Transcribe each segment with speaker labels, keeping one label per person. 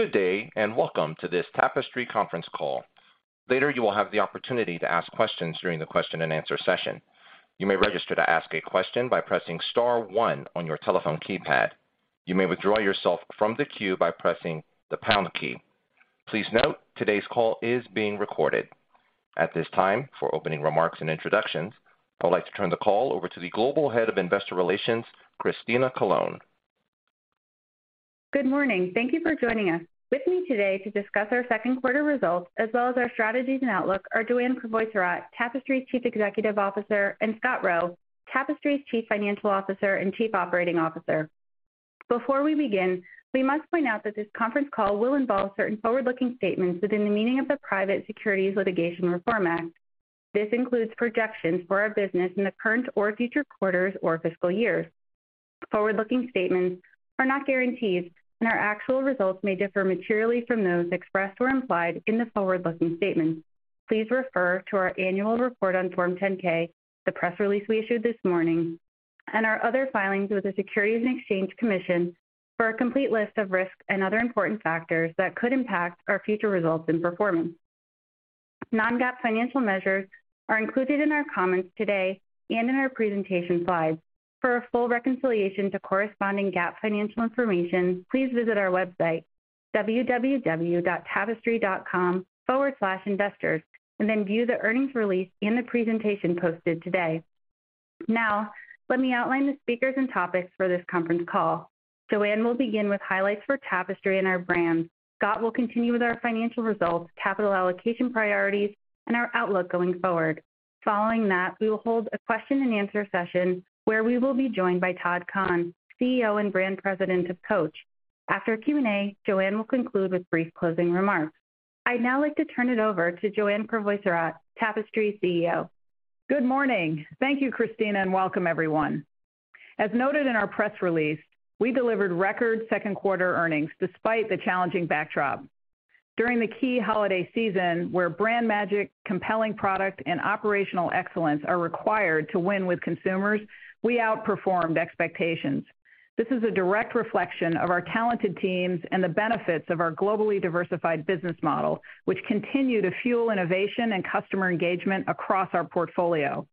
Speaker 1: Good day. Welcome to this Tapestry conference call. Later, you will have the opportunity to ask questions during the question-and-answer session. You may register to ask a question by pressing star one on your telephone keypad. You may withdraw yourself from the queue by pressing the pound key. Please note, today's call is being recorded. At this time, for opening remarks and introductions, I'd like to turn the call over to the Global Head of Investor Relations, Christina Colone.
Speaker 2: Good morning. Thank you for joining us. With me today to discuss our second quarter results as well as our strategies and outlook are Joanne Crevoiserat, Tapestry's Chief Executive Officer, and Scott Roe, Tapestry's Chief Financial Officer and Chief Operating Officer. Before we begin, we must point out that this conference call will involve certain forward-looking statements within the meaning of the Private Securities Litigation Reform Act. This includes projections for our business in the current or future quarters or fiscal years. Forward-looking statements are not guarantees, and our actual results may differ materially from those expressed or implied in the forward-looking statements. Please refer to our annual report on Form 10-K, the press release we issued this morning, and our other filings with the Securities and Exchange Commission for a complete list of risks and other important factors that could impact our future results and performance. Non-GAAP financial measures are included in our comments today and in our presentation slides. For a full reconciliation to corresponding GAAP financial information, please visit our website, www.tapestry.com/investors, and then view the earnings release and the presentation posted today. Let me outline the speakers and topics for this conference call. Joanne will begin with highlights for Tapestry and our brands. Scott will continue with our financial results, capital allocation priorities, and our outlook going forward. Following that, we will hold a question-and-answer session where we will be joined by Todd Kahn, CEO and Brand President of Coach. After Q&A, Joanne will conclude with brief closing remarks. I'd now like to turn it over to Joanne Crevoiserat, Tapestry's CEO.
Speaker 3: Good morning. Thank you, Christina, and welcome everyone. As noted in our press release, we delivered record second quarter earnings despite the challenging backdrop. During the key holiday season where brand magic, compelling product, and operational excellence are required to win with consumers, we outperformed expectations. This is a direct reflection of our talented teams and the benefits of our globally diversified business model, which continue to fuel innovation and customer engagement across our portfolio.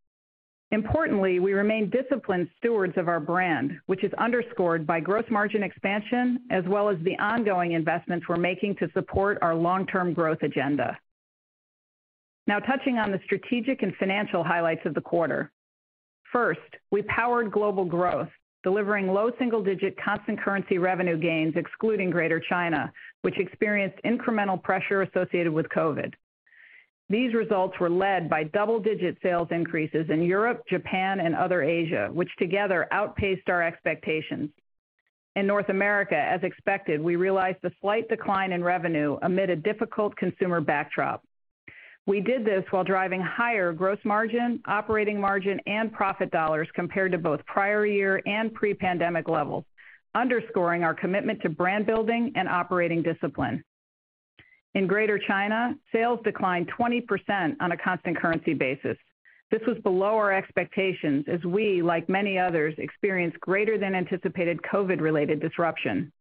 Speaker 3: Importantly, we remain disciplined stewards of our brand, which is underscored by gross margin expansion as well as the ongoing investments we're making to support our long-term growth agenda. Now touching on the strategic and financial highlights of the quarter. First, we powered global growth, delivering low single-digit constant currency revenue gains excluding Greater China, which experienced incremental pressure associated with COVID. These results were led by double-digit sales increases in Europe, Japan, and other Asia, which together outpaced our expectations. In North America, as expected, we realized a slight decline in revenue amid a difficult consumer backdrop. We did this while driving higher gross margin, operating margin, and profit dollars compared to both prior year and pre-pandemic levels, underscoring our commitment to brand building and operating discipline. In Greater China, sales declined 20% on a constant currency basis. This was below our expectations as we, like many others, experienced greater than anticipated COVID-related disruption.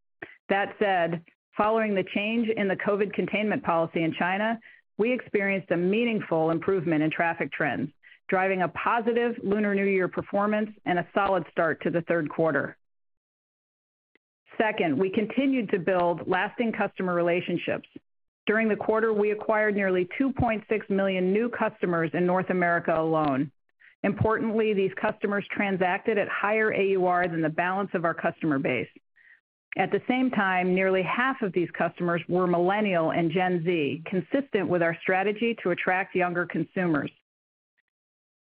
Speaker 3: Following the change in the COVID containment policy in China, we experienced a meaningful improvement in traffic trends, driving a positive Lunar New Year performance and a solid start to the third quarter. Second, we continued to build lasting customer relationships. During the quarter, we acquired nearly 2.6 million new customers in North America alone. Importantly, these customers transacted at higher AUR than the balance of our customer base. At the same time, nearly half of these customers were Millennial and Gen Z, consistent with our strategy to attract younger consumers.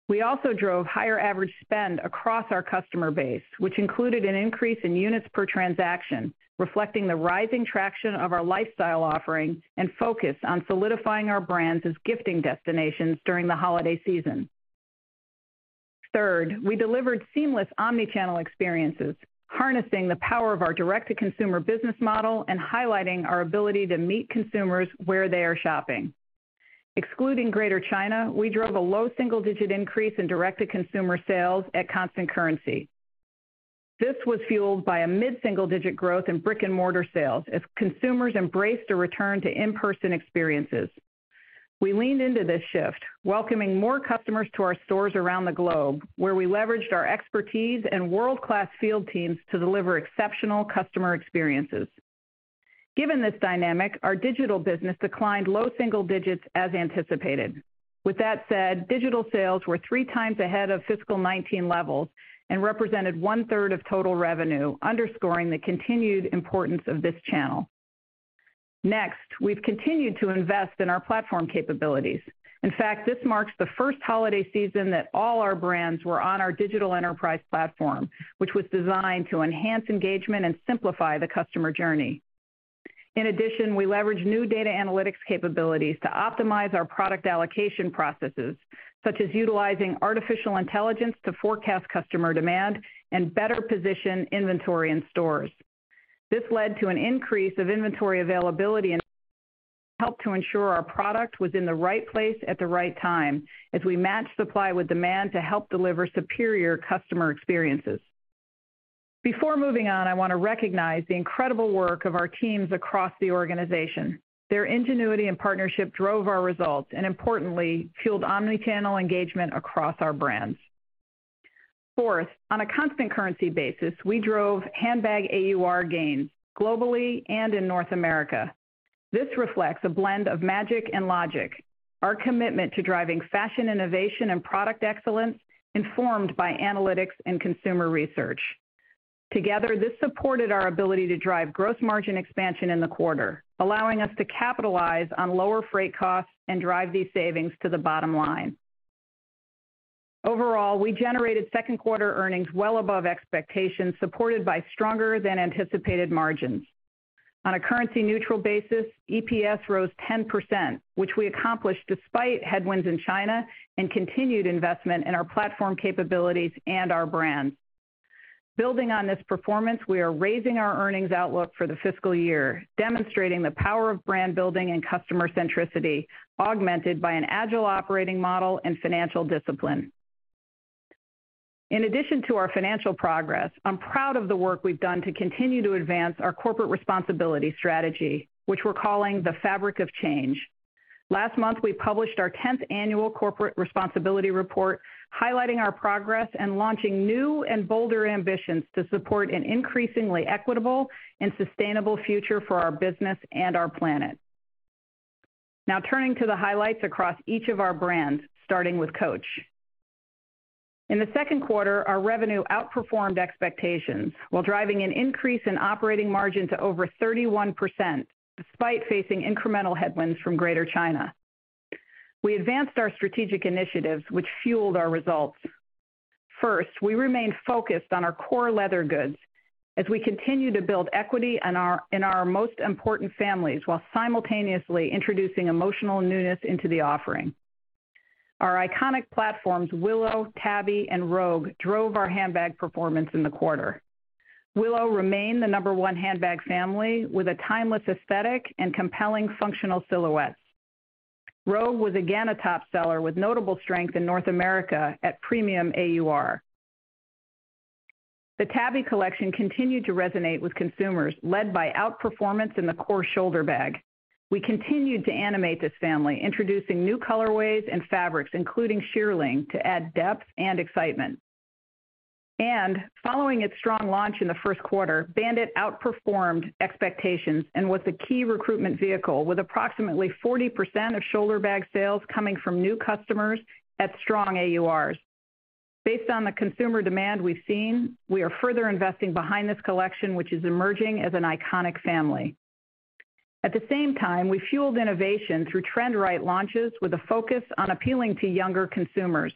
Speaker 3: We also drove higher average spend across our customer base, which included an increase in units per transaction, reflecting the rising traction of our lifestyle offering and focus on solidifying our brands as gifting destinations during the holiday season. Third, we delivered seamless omni-channel experiences, harnessing the power of our direct-to-consumer business model and highlighting our ability to meet consumers where they are shopping. Excluding Greater China, we drove a low single-digit increase in direct-to-consumer sales at constant currency. This was fueled by a mid-single-digit growth in brick-and-mortar sales as consumers embraced a return to in-person experiences. We leaned into this shift, welcoming more customers to our stores around the globe, where we leveraged our expertise and world-class field teams to deliver exceptional customer experiences. Given this dynamic, our digital business declined low single digits as anticipated. With that said, digital sales were three times ahead of fiscal 2019 levels and represented 1/3 of total revenue, underscoring the continued importance of this channel. Next, we've continued to invest in our platform capabilities. In fact, this marks the first holiday season that all our brands were on our digital enterprise platform, which was designed to enhance engagement and simplify the customer journey. In addition, we leveraged new data analytics capabilities to optimize our product allocation processes, such as utilizing artificial intelligence to forecast customer demand and better position inventory in stores. This led to an increase of inventory availability in-help to ensure our product was in the right place at the right time as we match supply with demand to help deliver superior customer experiences. Before moving on, I want to recognize the incredible work of our teams across the organization. Their ingenuity and partnership drove our results and importantly, fueled omni-channel engagement across our brands. Fourth, on a constant currency basis, we drove handbag AUR gains globally and in North America. This reflects a blend of magic and logic. Our commitment to driving fashion innovation and product excellence informed by analytics and consumer research. Together, this supported our ability to drive gross margin expansion in the quarter, allowing us to capitalize on lower freight costs and drive these savings to the bottom line. Overall, we generated second quarter earnings well above expectations, supported by stronger than anticipated margins. On a currency neutral basis, EPS rose 10%, which we accomplished despite headwinds in China and continued investment in our platform capabilities and our brands. Building on this performance, we are raising our earnings outlook for the fiscal year, demonstrating the power of brand building and customer centricity, augmented by an agile operating model and financial discipline. In addition to our financial progress, I'm proud of the work we've done to continue to advance our corporate responsibility strategy, which we're calling the Fabric of Change. Last month, we published our 10th annual corporate responsibility report, highlighting our progress and launching new and bolder ambitions to support an increasingly equitable and sustainable future for our business and our planet. Turning to the highlights across each of our brands, starting with Coach. In the second quarter, our revenue outperformed expectations while driving an increase in operating margin to over 31% despite facing incremental headwinds from Greater China. We advanced our strategic initiatives, which fueled our results. First, we remained focused on our core leather goods as we continue to build equity in our most important families, while simultaneously introducing emotional newness into the offering. Our iconic platforms, Willow, Tabby and Rogue, drove our handbag performance in the quarter. Willow remained the number one handbag family with a timeless aesthetic and compelling functional silhouettes. Rogue was again a top seller with notable strength in North America at premium AUR. The Tabby collection continued to resonate with consumers, led by outperformance in the core shoulder bag. We continued to animate this family, introducing new colorways and fabrics, including shearling, to add depth and excitement. Following its strong launch in the first quarter, Bandit outperformed expectations and was the key recruitment vehicle with approximately 40% of shoulder bag sales coming from new customers at strong AURs. Based on the consumer demand we've seen, we are further investing behind this collection, which is emerging as an iconic family. At the same time, we fueled innovation through trend right launches with a focus on appealing to younger consumers.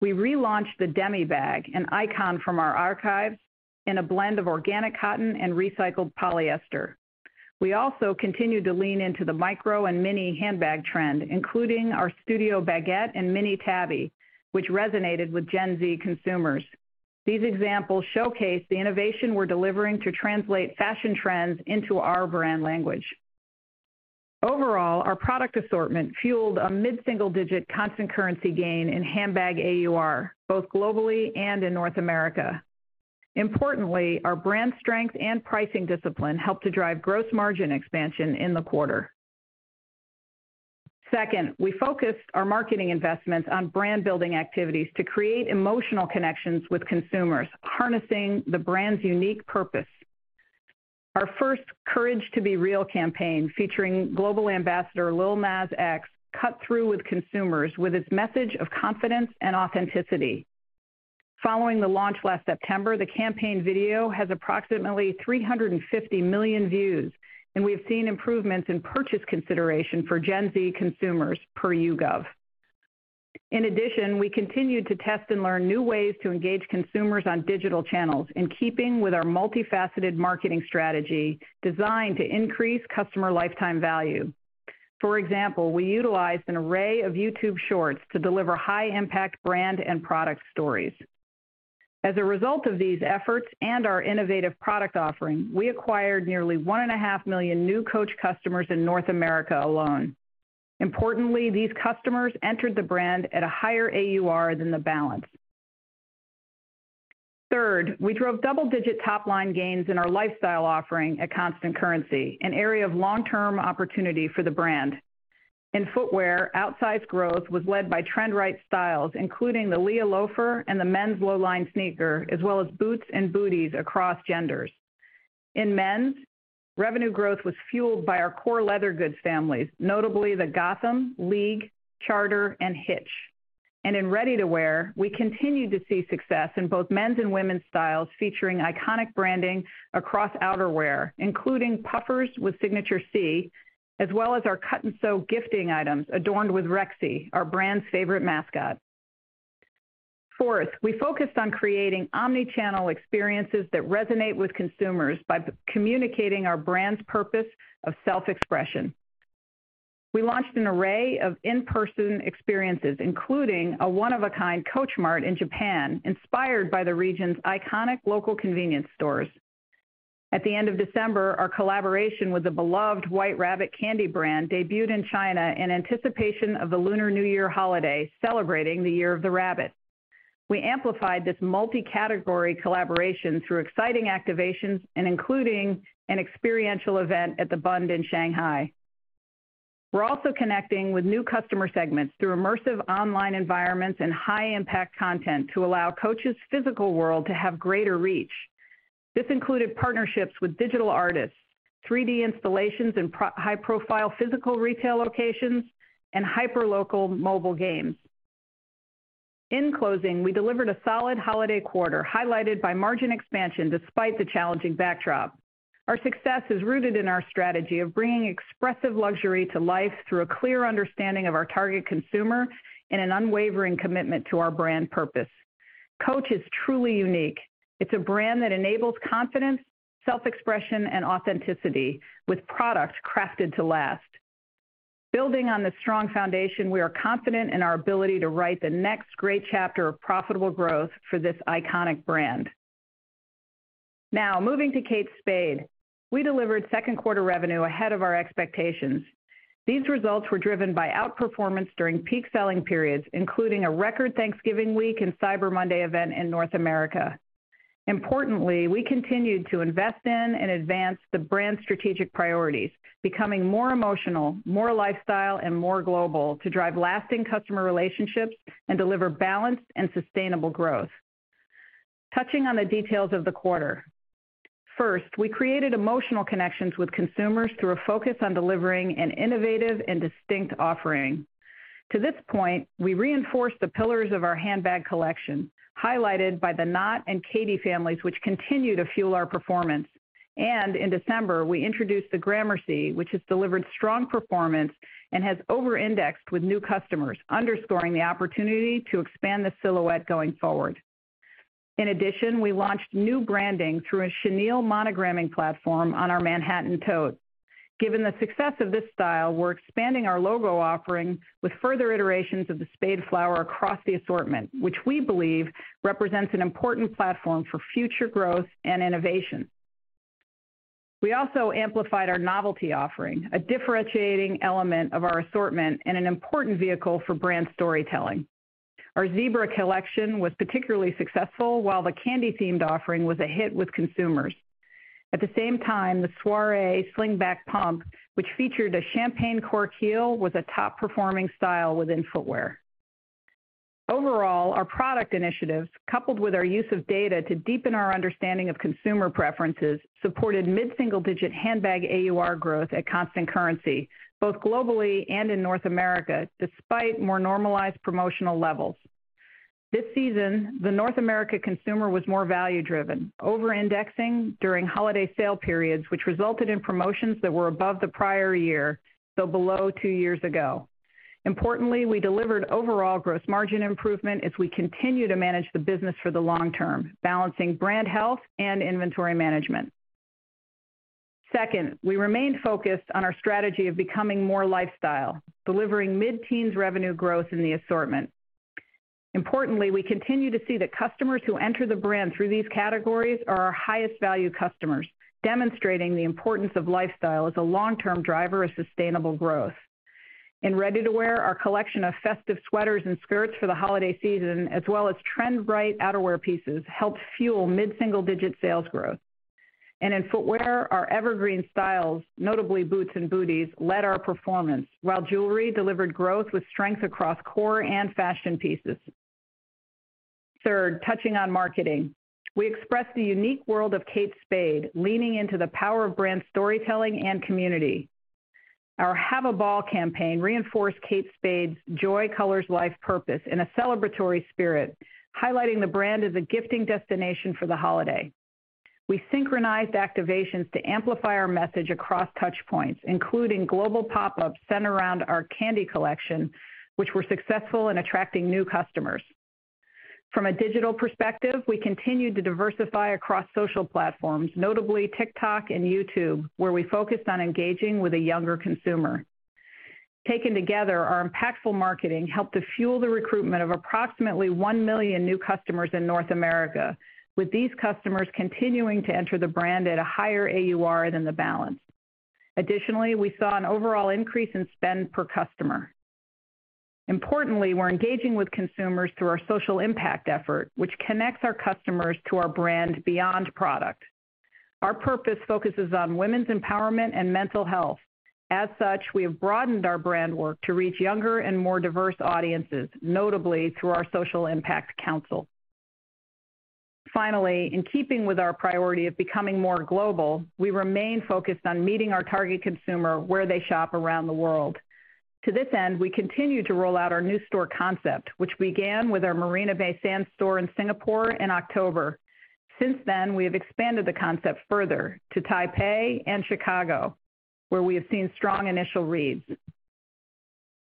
Speaker 3: We relaunched the Demi Bag, an icon from our archives, in a blend of organic cotton and recycled polyester. We also continued to lean into the micro and mini handbag trend, including our Studio Baguette and Mini Tabby, which resonated with Gen Z consumers. These examples showcase the innovation we're delivering to translate fashion trends into our brand language. Overall, our product assortment fueled a mid-single-digit constant currency gain in handbag AUR, both globally and in North America. Importantly, our brand strength and pricing discipline helped to drive gross margin expansion in the quarter. We focused our marketing investments on brand building activities to create emotional connections with consumers, harnessing the brand's unique purpose. Our first Courage to be Real campaign, featuring global ambassador Lil Nas X, cut through with consumers with its message of confidence and authenticity. Following the launch last September, the campaign video has approximately 350 million views, and we have seen improvements in purchase consideration for Gen Z consumers per YouGov. We continued to test and learn new ways to engage consumers on digital channels, in keeping with our multifaceted marketing strategy designed to increase customer lifetime value. For example, we utilized an array of YouTube Shorts to deliver high-impact brand and product stories. As a result of these efforts and our innovative product offering, we acquired nearly 1.5 million new Coach customers in North America alone. Importantly, these customers entered the brand at a higher AUR than the balance. Third, we drove double-digit top-line gains in our lifestyle offering at constant currency, an area of long-term opportunity for the brand. In footwear, outsized growth was led by trend right styles, including the Leah loafer and the men's Lowline sneaker, as well as boots and booties across genders. In men's, revenue growth was fueled by our core leather goods families, notably the Gotham, League, Charter and Hitch. In ready-to-wear, we continued to see success in both men's and women's styles, featuring iconic branding across outerwear, including puffers with signature C, as well as our cut and sew gifting items adorned with Rexy, our brand's favorite mascot. Fourth, we focused on creating omni-channel experiences that resonate with consumers by communicating our brand's purpose of self-expression. We launched an array of in-person experiences, including a one-of-a-kind Coach Mart in Japan, inspired by the region's iconic local convenience stores. At the end of December, our collaboration with the beloved White Rabbit candy brand debuted in China in anticipation of the Lunar New Year holiday celebrating the Year of the Rabbit. We amplified this multi-category collaboration through exciting activations and including an experiential event at the Bund in Shanghai. We're also connecting with new customer segments through immersive online environments and high-impact content to allow Coach's physical world to have greater reach. This included partnerships with digital artists, 3-D installations in high-profile physical retail locations, and hyperlocal mobile games. In closing, we delivered a solid holiday quarter, highlighted by margin expansion despite the challenging backdrop. Our success is rooted in our strategy of bringing expressive luxury to life through a clear understanding of our target consumer and an unwavering commitment to our brand purpose. Coach is truly unique. It's a brand that enables confidence, self-expression, and authenticity with products crafted to last. Building on this strong foundation, we are confident in our ability to write the next great chapter of profitable growth for this iconic brand. Now, moving to Kate Spade. We delivered second quarter revenue ahead of our expectations. These results were driven by outperformance during peak selling periods, including a record Thanksgiving week and Cyber Monday event in North America. Importantly, we continued to invest in and advance the brand's strategic priorities, becoming more emotional, more lifestyle, and more global to drive lasting customer relationships and deliver balanced and sustainable growth. Touching on the details of the quarter. First, we created emotional connections with consumers through a focus on delivering an innovative and distinct offering. To this point, we reinforced the pillars of our handbag collection, highlighted by the Knot and Katie families, which continue to fuel our performance. In December, we introduced the Gramercy, which has delivered strong performance and has over-indexed with new customers, underscoring the opportunity to expand the silhouette going forward. In addition, we launched new branding through a chenille monogramming platform on our Manhattan tote. Given the success of this style, we're expanding our logo offering with further iterations of the Spade Flower across the assortment, which we believe represents an important platform for future growth and innovation. We also amplified our novelty offering, a differentiating element of our assortment and an important vehicle for brand storytelling. Our Zebra collection was particularly successful, while the candy-themed offering was a hit with consumers. At the same time, the Soirée slingback pump, which featured a champagne cork heel, was a top-performing style within footwear. Overall, our product initiatives, coupled with our use of data to deepen our understanding of consumer preferences, supported mid-single-digit handbag AUR growth at constant currency, both globally and in North America, despite more normalized promotional levels. This season, the North America consumer was more value-driven, over-indexing during holiday sale periods, which resulted in promotions that were above the prior year, though below two years ago. Importantly, we delivered overall gross margin improvement as we continue to manage the business for the long term, balancing brand health and inventory management. Second, we remained focused on our strategy of becoming more lifestyle, delivering mid-teens revenue growth in the assortment. Importantly, we continue to see that customers who enter the brand through these categories are our highest value customers, demonstrating the importance of lifestyle as a long-term driver of sustainable growth. In ready-to-wear, our collection of festive sweaters and skirts for the holiday season, as well as trend-right outerwear pieces, helped fuel mid-single-digit sales growth. In footwear, our evergreen styles, notably boots and booties, led our performance, while jewelry delivered growth with strength across core and fashion pieces. Third, touching on marketing. We expressed the unique world of Kate Spade, leaning into the power of brand storytelling and community. Our Have A Ball campaign reinforced Kate Spade's joy colors life purpose in a celebratory spirit, highlighting the brand as a gifting destination for the holiday. We synchronized activations to amplify our message across touchpoints, including global pop-ups centered around our candy collection, which were successful in attracting new customers. From a digital perspective, we continued to diversify across social platforms, notably TikTok and YouTube, where we focused on engaging with a younger consumer. Taken together, our impactful marketing helped to fuel the recruitment of approximately 1 million new customers in North America, with these customers continuing to enter the brand at a higher AUR than the balance. Additionally, we saw an overall increase in spend per customer. Importantly, we're engaging with consumers through our social impact effort, which connects our customers to our brand beyond product. Our purpose focuses on women's empowerment and mental health. As such, we have broadened our brand work to reach younger and more diverse audiences, notably through our Social Impact Council. Finally, in keeping with our priority of becoming more global, we remain focused on meeting our target consumer where they shop around the world. To this end, we continue to roll out our new store concept, which began with our Marina Bay Sands store in Singapore in October. Since then, we have expanded the concept further to Taipei and Chicago, where we have seen strong initial reads.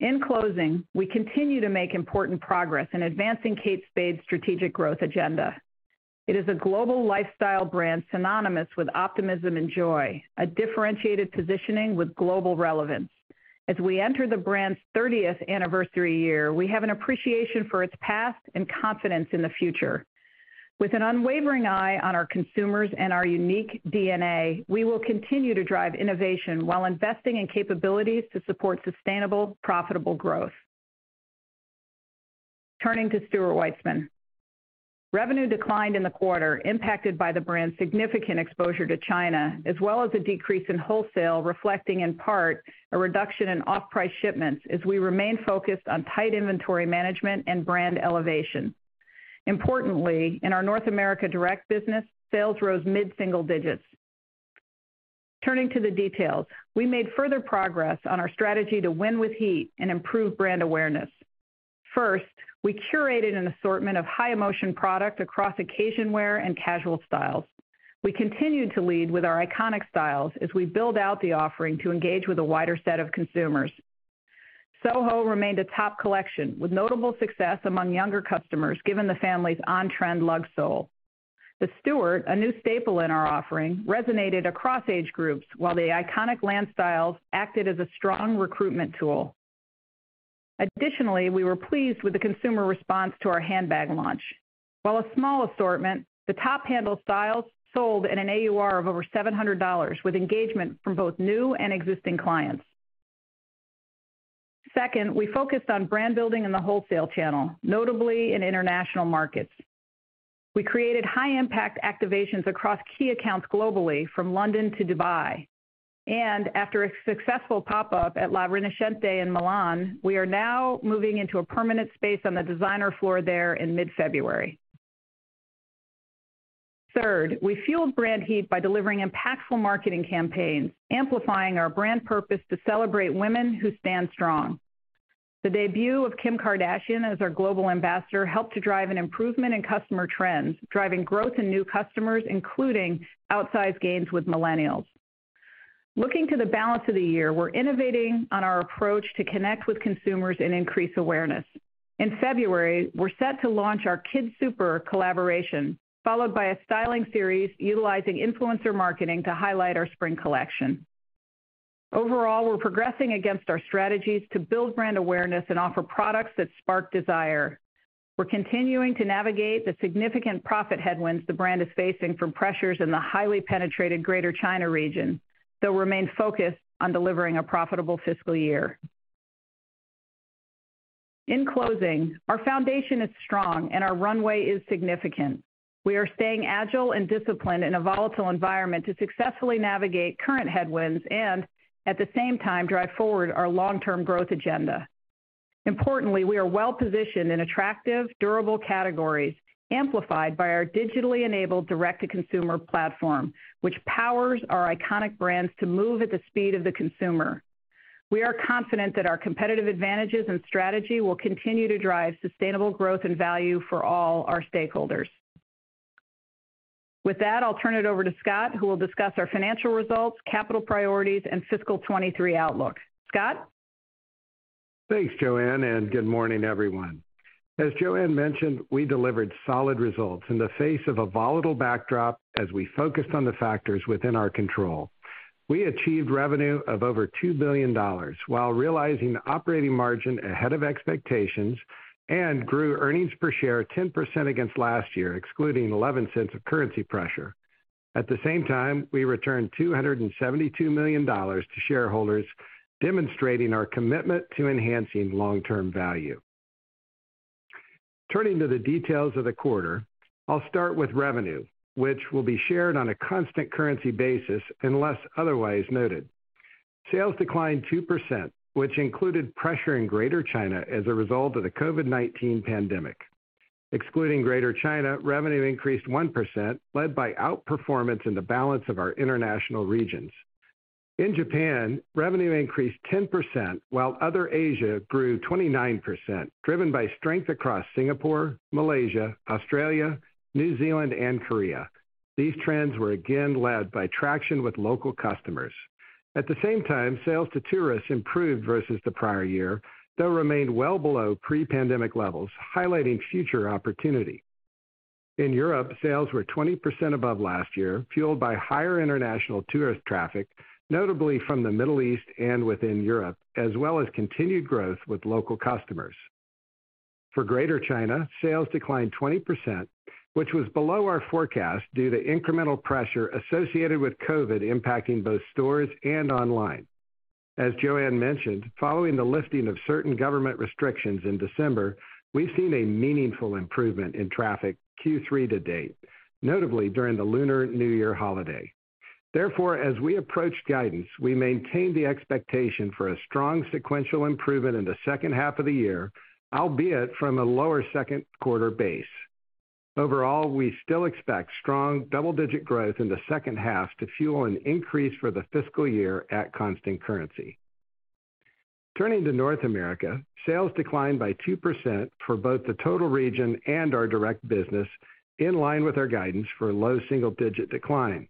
Speaker 3: In closing, we continue to make important progress in advancing Kate Spade's strategic growth agenda. It is a global lifestyle brand synonymous with optimism and joy, a differentiated positioning with global relevance. As we enter the brand's 30th anniversary year, we have an appreciation for its past and confidence in the future. With an unwavering eye on our consumers and our unique DNA, we will continue to drive innovation while investing in capabilities to support sustainable, profitable growth. Turning to Stuart Weitzman. Revenue declined in the quarter, impacted by the brand's significant exposure to China, as well as a decrease in wholesale, reflecting in part a reduction in off-price shipments as we remain focused on tight inventory management and brand elevation. Importantly, in our North America direct business, sales rose mid-single digits. Turning to the details. We made further progress on our strategy to win with heat and improve brand awareness. First, we curated an assortment of high-emotion product across occasion wear and casual styles. We continue to lead with our iconic styles as we build out the offering to engage with a wider set of consumers. Soho remained a top collection, with notable success among younger customers, given the family's on-trend lug sole. The Stuart, a new staple in our offering, resonated across age groups, while the iconic Lan styles acted as a strong recruitment tool. Additionally, we were pleased with the consumer response to our handbag launch. While a small assortment, the top handle styles sold in an AUR of over $700 with engagement from both new and existing clients. Second, we focused on brand building in the wholesale channel, notably in international markets. We created high-impact activations across key accounts globally from London to Dubai. After a successful pop-up at la Rinascente in Milan, we are now moving into a permanent space on the designer floor there in mid-February. Third, we fueled brand heat by delivering impactful marketing campaigns, amplifying our brand purpose to celebrate women who stand strong. The debut of Kim Kardashian as our global ambassador helped to drive an improvement in customer trends, driving growth in new customers, including outsized gains with millennials. Looking to the balance of the year, we're innovating on our approach to connect with consumers and increase awareness. In February, we're set to launch our KidSuper collaboration, followed by a styling series utilizing influencer marketing to highlight our spring collection. Overall, we're progressing against our strategies to build brand awareness and offer products that spark desire. We're continuing to navigate the significant profit headwinds the brand is facing from pressures in the highly penetrated Greater China region, though remain focused on delivering a profitable fiscal year. In closing, our foundation is strong and our runway is significant. We are staying agile and disciplined in a volatile environment to successfully navigate current headwinds and, at the same time, drive forward our long-term growth agenda. Importantly, we are well-positioned in attractive, durable categories, amplified by our digitally enabled direct-to-consumer platform, which powers our iconic brands to move at the speed of the consumer. We are confident that our competitive advantages and strategy will continue to drive sustainable growth and value for all our stakeholders. With that, I'll turn it over to Scott, who will discuss our financial results, capital priorities, and fiscal 2023 outlook. Scott?
Speaker 4: Thanks, Joanne, and good morning, everyone. As Joanne mentioned, we delivered solid results in the face of a volatile backdrop as we focused on the factors within our control. We achieved revenue of over $2 billion while realizing operating margin ahead of expectations and grew earnings per share 10% against last year, excluding $0.11 of currency pressure. At the same time, we returned $272 million to shareholders, demonstrating our commitment to enhancing long-term value. Turning to the details of the quarter, I'll start with revenue, which will be shared on a constant currency basis unless otherwise noted. Sales declined 2%, which included pressure in Greater China as a result of the COVID-19 pandemic. Excluding Greater China, revenue increased 1%, led by outperformance in the balance of our international regions. In Japan, revenue increased 10%, while other Asia grew 29%, driven by strength across Singapore, Malaysia, Australia, New Zealand, and Korea. These trends were again led by traction with local customers. At the same time, sales to tourists improved versus the prior year, though remained well below pre-pandemic levels, highlighting future opportunity. In Europe, sales were 20% above last year, fueled by higher international tourist traffic, notably from the Middle East and within Europe, as well as continued growth with local customers. For Greater China, sales declined 20%, which was below our forecast due to incremental pressure associated with COVID impacting both stores and online. As Joanne mentioned, following the lifting of certain government restrictions in December, we've seen a meaningful improvement in traffic Q3 to date, notably during the Lunar New Year holiday. As we approach guidance, we maintain the expectation for a strong sequential improvement in the second half of the year, albeit from a lower second quarter base. Overall, we still expect strong double-digit growth in the second half to fuel an increase for the fiscal year at constant currency. Turning to North America, sales declined by 2% for both the total region and our direct business, in line with our guidance for low single-digit decline.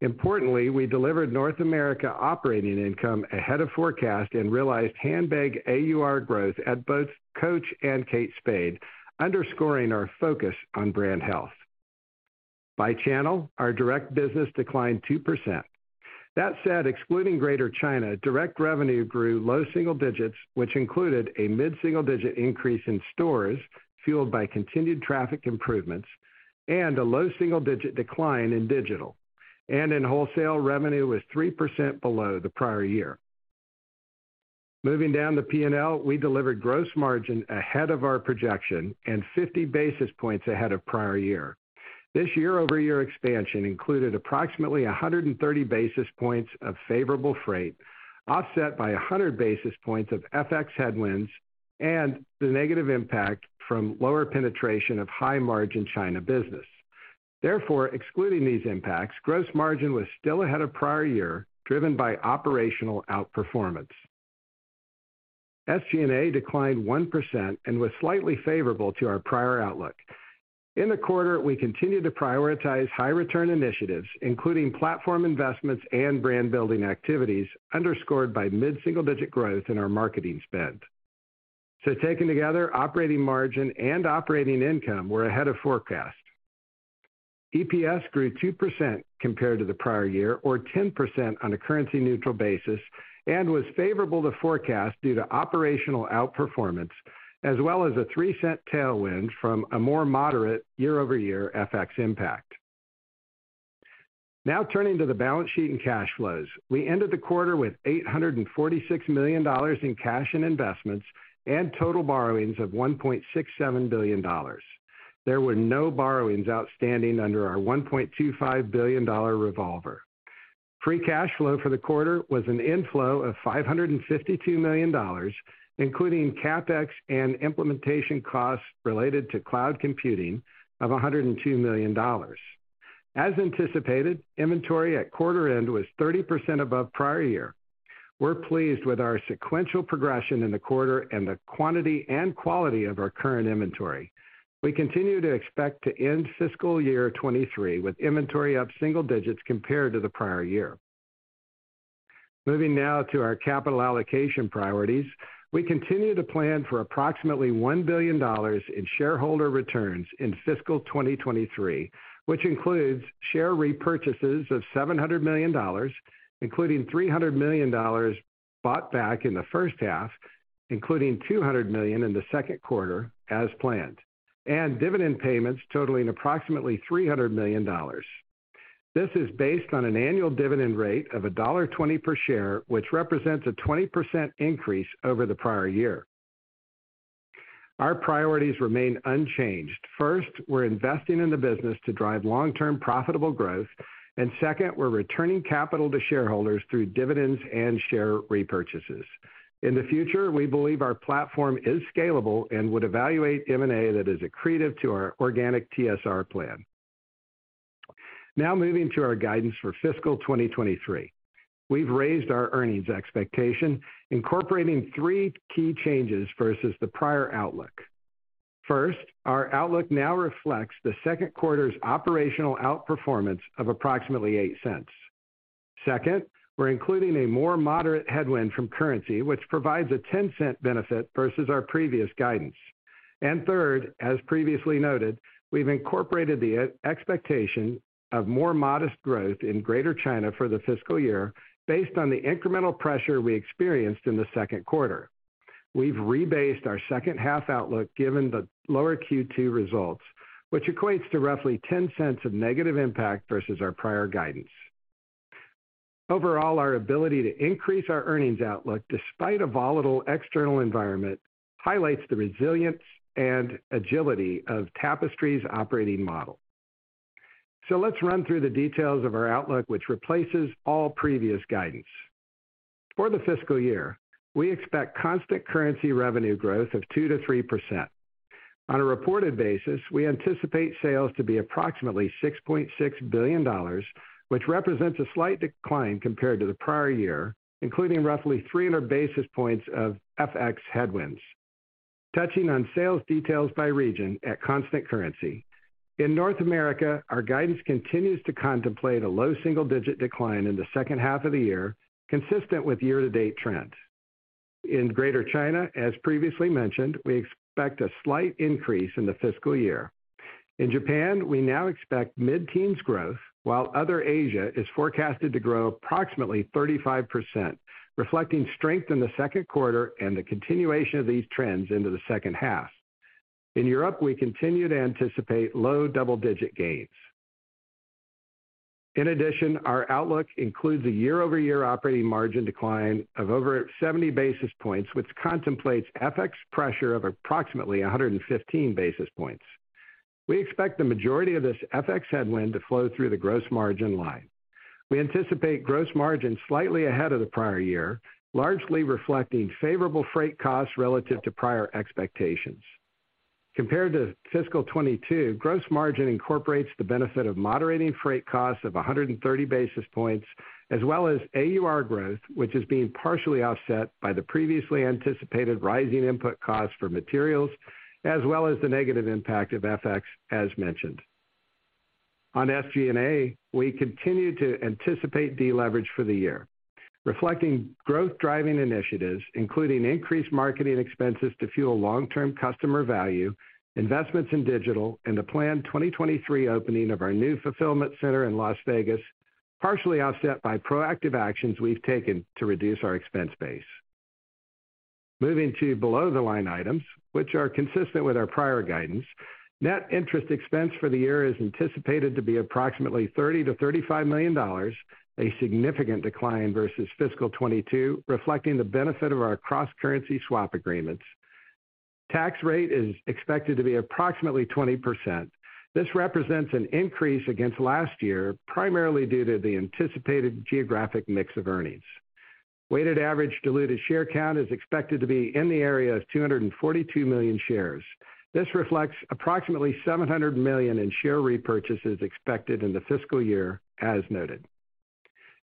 Speaker 4: Importantly, we delivered North America operating income ahead of forecast and realized handbag AUR growth at both Coach and Kate Spade, underscoring our focus on brand health. By channel, our direct business declined 2%. That said, excluding Greater China, direct revenue grew low single digits, which included a mid-single digit increase in stores fueled by continued traffic improvements and a low single-digit decline in digital. In wholesale, revenue was 3% below the prior year. Moving down to P&L, we delivered gross margin ahead of our projection and 50 basis points ahead of prior year. This year-over-year expansion included approximately 130 basis points of favorable freight, offset by 100 basis points of FX headwinds and the negative impact from lower penetration of high-margin China business. Therefore, excluding these impacts, gross margin was still ahead of prior year, driven by operational outperformance. SG&A declined 1% and was slightly favorable to our prior outlook. In the quarter, we continued to prioritize high return initiatives, including platform investments and brand-building activities, underscored by mid-single-digit growth in our marketing spend. Taken together, operating margin and operating income were ahead of forecast. EPS grew 2% compared to the prior year or 10% on a currency-neutral basis and was favorable to forecast due to operational outperformance, as well as a $0.03 tailwind from a more moderate year-over-year FX impact. Turning to the balance sheet and cash flows. We ended the quarter with $846 million in cash and investments and total borrowings of $1.67 billion. There were no borrowings outstanding under our $1.25 billion revolver. Free cash flow for the quarter was an inflow of $552 million, including CapEx and implementation costs related to cloud computing of $102 million. As anticipated, inventory at quarter end was 30% above prior year. We're pleased with our sequential progression in the quarter and the quantity and quality of our current inventory. We continue to expect to end fiscal year 2023 with inventory up single digits compared to the prior year. Moving now to our capital allocation priorities. We continue to plan for approximately $1 billion in shareholder returns in fiscal 2023, which includes share repurchases of $700 million, including $300 million bought back in the first half, including $200 million in the second quarter as planned, and dividend payments totaling approximately $300 million. This is based on an annual dividend rate of $1.20 per share, which represents a 20% increase over the prior year. Our priorities remain unchanged. First, we're investing in the business to drive long-term profitable growth. Second, we're returning capital to shareholders through dividends and share repurchases. In the future, we believe our platform is scalable and would evaluate M&A that is accretive to our organic TSR plan. Now moving to our guidance for fiscal 2023. We've raised our earnings expectation, incorporating three key changes versus the prior outlook. First, our outlook now reflects the second quarter's operational outperformance of approximately $0.08. Second, we're including a more moderate headwind from currency, which provides a $0.10 benefit versus our previous guidance. Third, as previously noted, we've incorporated the expectation of more modest growth in Greater China for the fiscal year based on the incremental pressure we experienced in the second quarter. We've rebased our second half outlook given the lower Q2 results, which equates to roughly $0.10 of negative impact versus our prior guidance. Overall, our ability to increase our earnings outlook despite a volatile external environment highlights the resilience and agility of Tapestry's operating model. Let's run through the details of our outlook, which replaces all previous guidance. For the fiscal year, we expect constant currency revenue growth of 2%-3%. On a reported basis, we anticipate sales to be approximately $6.6 billion, which represents a slight decline compared to the prior year, including roughly 300 basis points of FX headwinds. Touching on sales details by region at constant currency. In North America, our guidance continues to contemplate a low single-digit decline in the second half of the year, consistent with year-to-date trends. In Greater China, as previously mentioned, we expect a slight increase in the fiscal year. In Japan, we now expect mid-teens growth, while other Asia is forecasted to grow approximately 35%, reflecting strength in the second quarter and the continuation of these trends into the second half. In Europe, we continue to anticipate low double-digit gains. Our outlook includes a year-over-year operating margin decline of over 70 basis points, which contemplates FX pressure of approximately 115 basis points. We expect the majority of this FX headwind to flow through the gross margin line. We anticipate gross margin slightly ahead of the prior year, largely reflecting favorable freight costs relative to prior expectations. Compared to fiscal 2022, gross margin incorporates the benefit of moderating freight costs of 130 basis points, as well as AUR growth, which is being partially offset by the previously anticipated rising input costs for materials, as well as the negative impact of FX, as mentioned. On SG&A, we continue to anticipate deleverage for the year, reflecting growth-driving initiatives, including increased marketing expenses to fuel long-term customer value, investments in digital, and the planned 2023 opening of our new fulfillment center in Las Vegas, partially offset by proactive actions we've taken to reduce our expense base. Moving to below the line items, which are consistent with our prior guidance, net interest expense for the year is anticipated to be approximately $30 million-$35 million, a significant decline versus fiscal 2022, reflecting the benefit of our cross-currency swap agreements. Tax rate is expected to be approximately 20%. This represents an increase against last year, primarily due to the anticipated geographic mix of earnings. Weighted average diluted share count is expected to be in the area of 242 million shares. This reflects approximately $700 million in share repurchases expected in the fiscal year, as noted.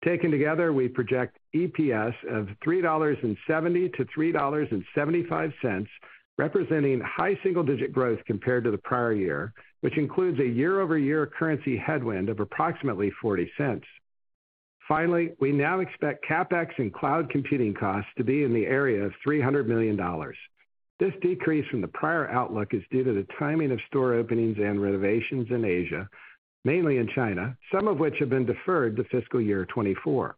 Speaker 4: Taken together, we project EPS of $3.70-$3.75, representing high single-digit growth compared to the prior year, which includes a year-over-year currency headwind of approximately $0.40. Finally, we now expect CapEx and cloud computing costs to be in the area of $300 million. This decrease from the prior outlook is due to the timing of store openings and renovations in Asia, mainly in China, some of which have been deferred to fiscal year 2024.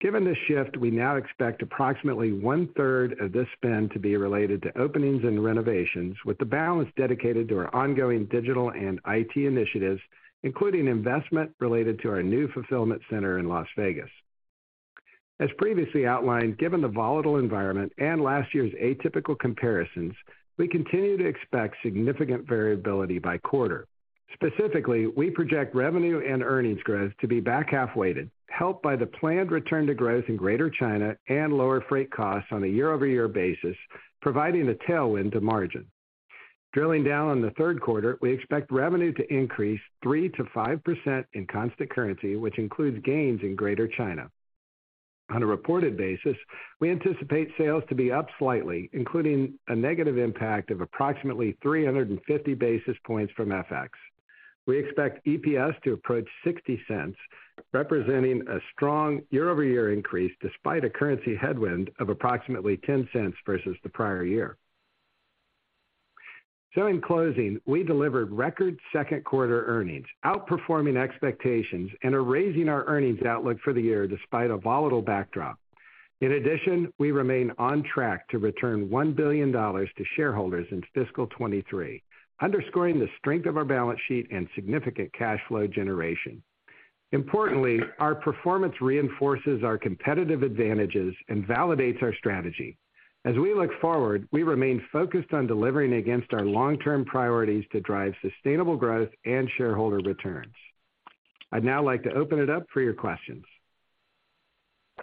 Speaker 4: Given this shift, we now expect approximately one-third of this spend to be related to openings and renovations, with the balance dedicated to our ongoing digital and IT initiatives, including investment related to our new fulfillment center in Las Vegas. As previously outlined, given the volatile environment and last year's atypical comparisons, we continue to expect significant variability by quarter. Specifically, we project revenue and earnings growth to be back-half-weighted, helped by the planned return to growth in Greater China and lower freight costs on a year-over-year basis, providing a tailwind to margin. Drilling down on the third quarter, we expect revenue to increase 3%-5% in constant currency, which includes gains in Greater China. On a reported basis, we anticipate sales to be up slightly, including a negative impact of approximately 350 basis points from FX. We expect EPS to approach $0.60, representing a strong year-over-year increase despite a currency headwind of approximately $0.10 versus the prior year. In closing, we delivered record second quarter earnings, outperforming expectations, and are raising our earnings outlook for the year despite a volatile backdrop. We remain on track to return $1 billion to shareholders in fiscal 2023, underscoring the strength of our balance sheet and significant cash flow generation. Our performance reinforces our competitive advantages and validates our strategy. We remain focused on delivering against our long-term priorities to drive sustainable growth and shareholder returns. I'd now like to open it up for your questions.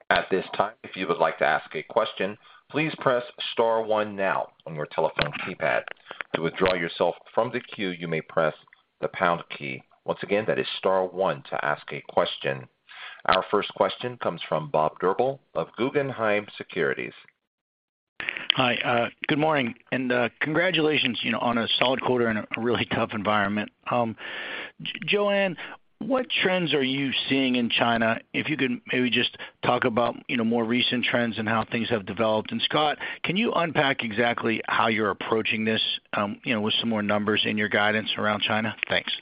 Speaker 1: At this time, if you would like to ask a question, please press star one now on your telephone keypad. To withdraw yourself from the queue, you may press the pound key. Once again, that is star one to ask a question. Our first question comes from Bob Drbul of Guggenheim Securities.
Speaker 5: Hi, good morning, congratulations, you know, on a solid quarter in a really tough environment. Joanne, what trends are you seeing in China? If you can maybe just talk about, you know, more recent trends and how things have developed. Scott Roe, can you unpack exactly how you're approaching this, you know, with some more numbers in your guidance around China? Thanks.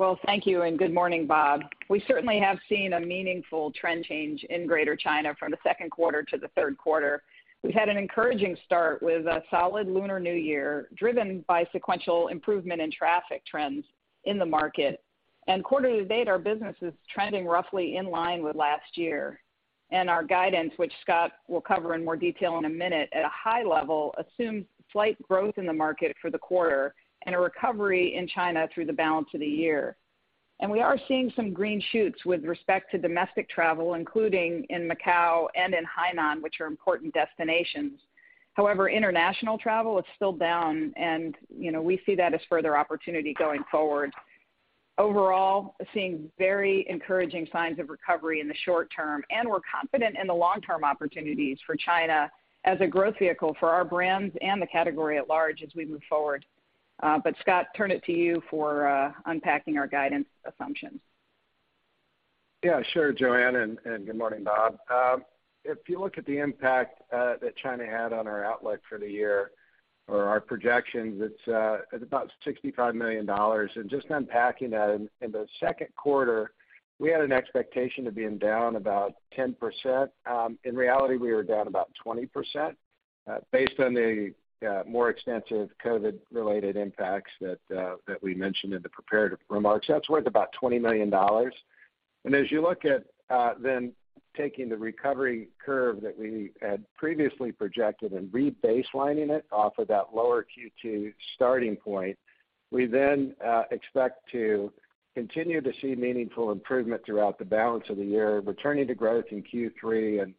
Speaker 3: Well, thank you, and good morning, Bob. We certainly have seen a meaningful trend change in Greater China from the 2nd quarter to the 3rd quarter. We've had an encouraging start with a solid Lunar New Year, driven by sequential improvement in traffic trends in the market. Quarter-to-date, our business is trending roughly in line with last year. Our guidance, which Scott will cover in more detail in a minute, at a high level assumes slight growth in the market for the quarter and a recovery in China through the balance of the year. We are seeing some green shoots with respect to domestic travel, including in Macau and in Hainan, which are important destinations. However, international travel is still down and, you know, we see that as further opportunity going forward. Overall, seeing very encouraging signs of recovery in the short term, and we're confident in the long-term opportunities for China as a growth vehicle for our brands and the category at large as we move forward. Scott, turn it to you for unpacking our guidance assumptions.
Speaker 4: Yeah, sure, Joanne, and good morning, Bob. If you look at the impact that China had on our outlook for the year or our projections, it's about $65 million. Just unpacking that, in the second quarter, we had an expectation of being down about 10%. In reality, we were down about 20% based on the more extensive COVID-related impacts that we mentioned in the prepared remarks. That's worth about $20 million. As you look at then taking the recovery curve that we had previously projected and rebaselining it off of that lower Q2 starting point, we then expect to continue to see meaningful improvement throughout the balance of the year, returning to growth in Q3 and.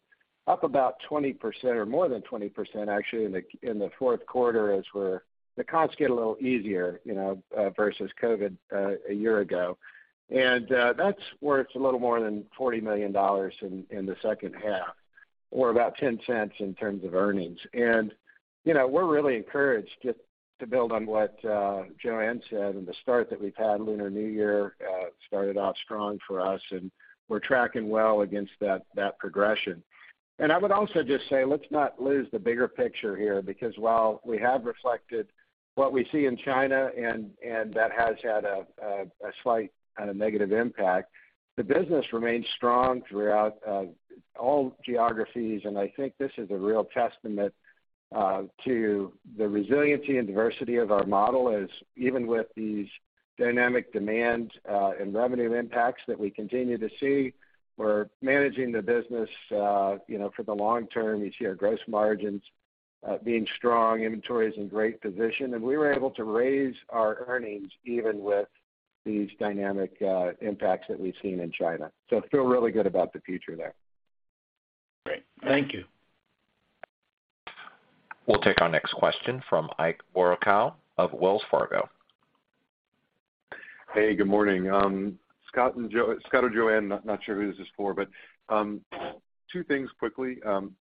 Speaker 4: Up about 20% or more than 20% actually in the fourth quarter as the costs get a little easier, you know, versus COVID a year ago. That's worth a little more than $40 million in the second half or about $0.10 in terms of earnings. You know, we're really encouraged just to build on what Joanne said and the start that we've had. Lunar New Year started off strong for us, and we're tracking well against that progression. I would also just say let's not lose the bigger picture here because while we have reflected what we see in China and that has had a slight kind of negative impact, the business remains strong throughout all geographies. I think this is a real testament to the resiliency and diversity of our model as even with these dynamic demands and revenue impacts that we continue to see, we're managing the business, you know, for the long term. You see our gross margins being strong, inventory is in great position, and we were able to raise our earnings even with these dynamic impacts that we've seen in China. Feel really good about the future there.
Speaker 5: Great. Thank you.
Speaker 1: We'll take our next question from Ike Boruchow of Wells Fargo.
Speaker 6: Hey, good morning. Scott and Joanne, not sure who this is for. Two things quickly.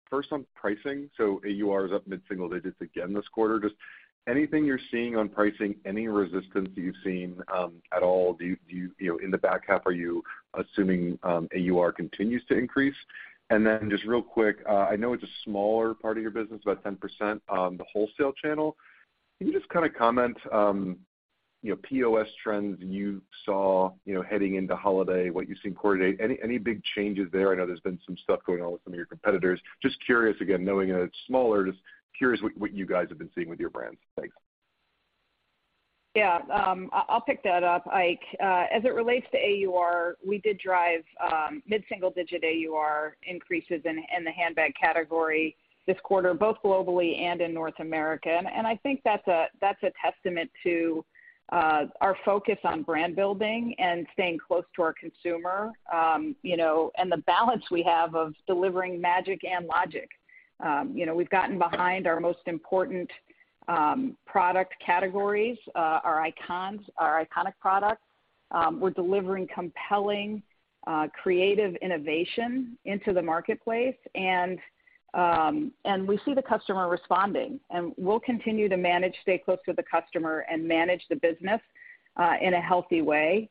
Speaker 6: First on pricing. AUR is up mid-single digits again this quarter. Just anything you're seeing on pricing, any resistance that you've seen at all? You know, in the back half, are you assuming AUR continues to increase? Just real quick, I know it's a smaller part of your business, about 10%, the wholesale channel. Can you just kind of comment, you know, POS trends you saw, you know, heading into holiday, what you've seen quarter to date? Any big changes there? I know there's been some stuff going on with some of your competitors. Just curious, again, knowing it's smaller, just curious what you guys have been seeing with your brands. Thanks.
Speaker 3: Yeah. I'll pick that up, Ike. As it relates to AUR, we did drive mid-single digit AUR increases in the handbag category this quarter, both globally and in North America. I think that's a testament to our focus on brand building and staying close to our consumer, you know, and the balance we have of delivering magic and logic. You know, we've gotten behind our most important product categories, our icons, our iconic products. We're delivering compelling creative innovation into the marketplace. We see the customer responding. We'll continue to manage, stay close to the customer and manage the business in a healthy way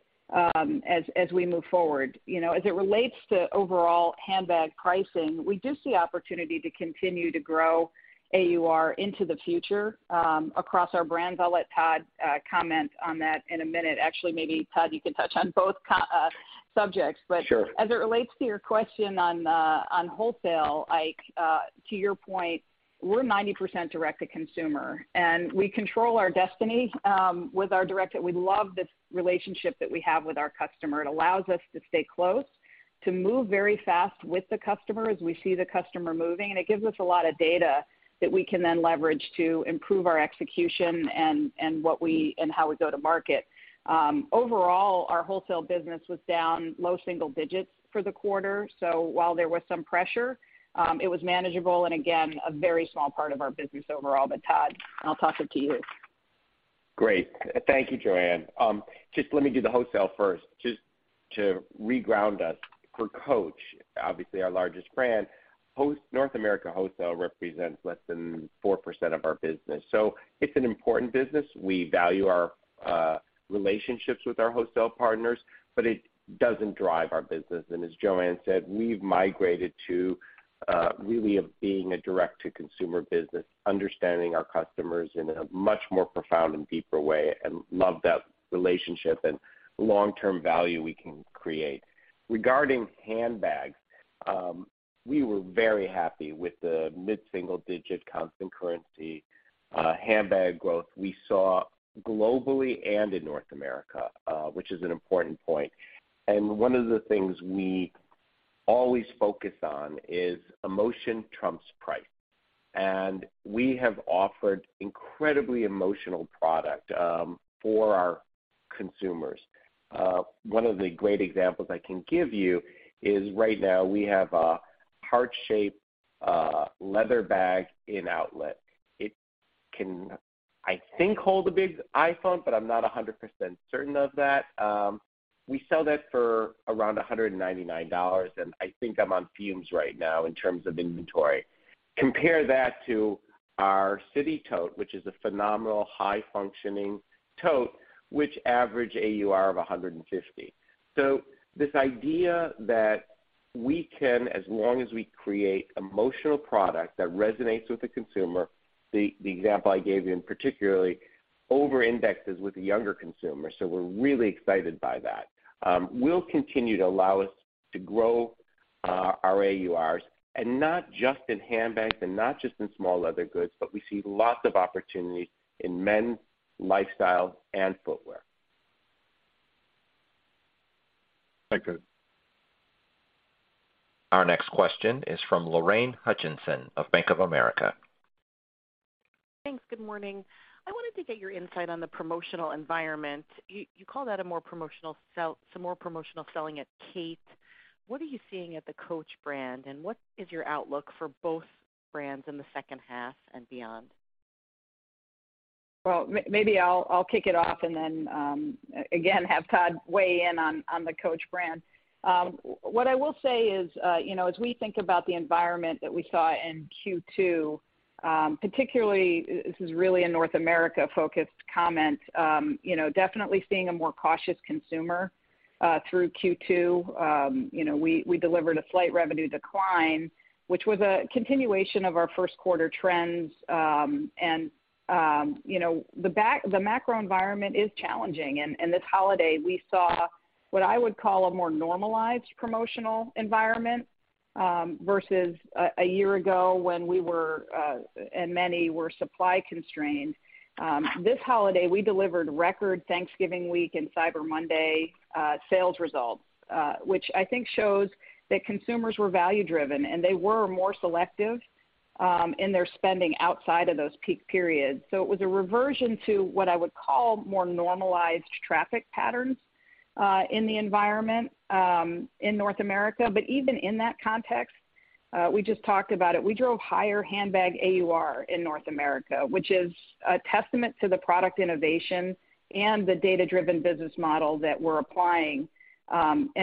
Speaker 3: as we move forward. You know, as it relates to overall handbag pricing, we do see opportunity to continue to grow AUR into the future, across our brands. I'll let Todd comment on that in a minute. Actually, maybe Todd, you can touch on both subjects.
Speaker 7: Sure.
Speaker 3: As it relates to your question on wholesale, Ike, to your point, we're 90% direct to consumer, and we control our destiny. We love this relationship that we have with our customer. It allows us to stay close, to move very fast with the customer as we see the customer moving, and it gives us a lot of data that we can then leverage to improve our execution and how we go to market. Overall, our wholesale business was down low single digits for the quarter. While there was some pressure, it was manageable, and again, a very small part of our business overall. Todd, I'll toss it to you.
Speaker 7: Great. Thank you, Joanne. Just let me do the wholesale first. Just to reground us, for Coach, obviously our largest brand, North America wholesale represents less than 4% of our business. It's an important business. We value our relationships with our wholesale partners, but it doesn't drive our business. As Joanne said, we've migrated to really being a direct to consumer business, understanding our customers in a much more profound and deeper way and love that relationship and long-term value we can create. Regarding handbags, we were very happy with the mid-single digit constant currency handbag growth we saw globally and in North America, which is an important point. One of the things we always focus on is emotion trumps price. We have offered incredibly emotional product for our consumers. One of the great examples I can give you is right now we have a heart-shaped leather bag in outlet. It can, I think, hold a big iPhone, but I'm not 100% certain of that. We sell that for around $199, and I think I'm on fumes right now in terms of inventory. Compare that to our city tote, which is a phenomenal high functioning tote, which average AUR of $150. This idea that we can, as long as we create emotional product that resonates with the consumer, the example I gave you, and particularly over indexes with the younger consumer, so we're really excited by that, will continue to allow us to grow our AURs and not just in handbags and not just in small leather goods, but we see lots of opportunities in men's, lifestyle, and footwear.
Speaker 6: Thank you.
Speaker 1: Our next question is from Lorraine Hutchinson of Bank of America.
Speaker 8: Thanks. Good morning. I wanted to get your insight on the promotional environment. You call that a more promotional selling at Kate. What are you seeing at the Coach brand, and what is your outlook for both brands in the second half and beyond?
Speaker 3: Well, maybe I'll kick it off and then again, have Todd weigh in on the Coach brand. What I will say is, you know, as we think about the environment that we saw in Q2, particularly, this is really a North America-focused comment, you know, definitely seeing a more cautious consumer through Q2. You know, we delivered a slight revenue decline, which was a continuation of our first quarter trends. You know, the macro environment is challenging. This holiday, we saw what I would call a more normalized promotional environment versus a year ago when we were and many were supply constrained. This holiday, we delivered record Thanksgiving week and Cyber Monday sales results, which I think shows that consumers were value-driven, and they were more selective in their spending outside of those peak periods. It was a reversion to what I would call more normalized traffic patterns in the environment in North America. Even in that context, we just talked about it. We drove higher handbag AUR in North America, which is a testament to the product innovation and the data-driven business model that we're applying.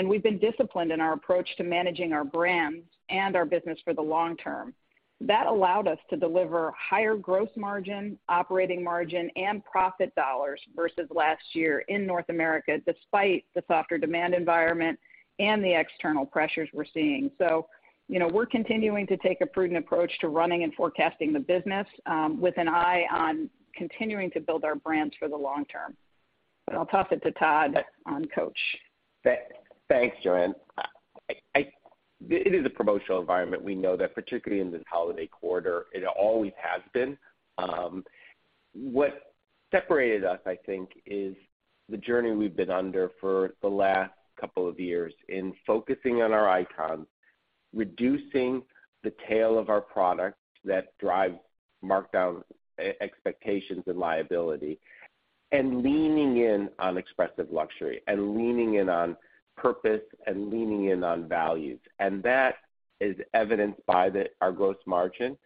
Speaker 3: We've been disciplined in our approach to managing our brands and our business for the long term. That allowed us to deliver higher gross margin, operating margin, and profit dollars versus last year in North America, despite the softer demand environment and the external pressures we're seeing. You know, we're continuing to take a prudent approach to running and forecasting the business, with an eye on continuing to build our brands for the long term. I'll toss it to Todd on Coach.
Speaker 7: Thanks, Joanne. It is a promotional environment. We know that particularly in this holiday quarter, it always has been. What separated us, I think, is the journey we've been under for the last couple of years in focusing on our icons, reducing the tail of our products that drive markdown expectations and liability, and leaning in on expressive luxury and leaning in on purpose and leaning in on values. That is evidenced by our gross margin.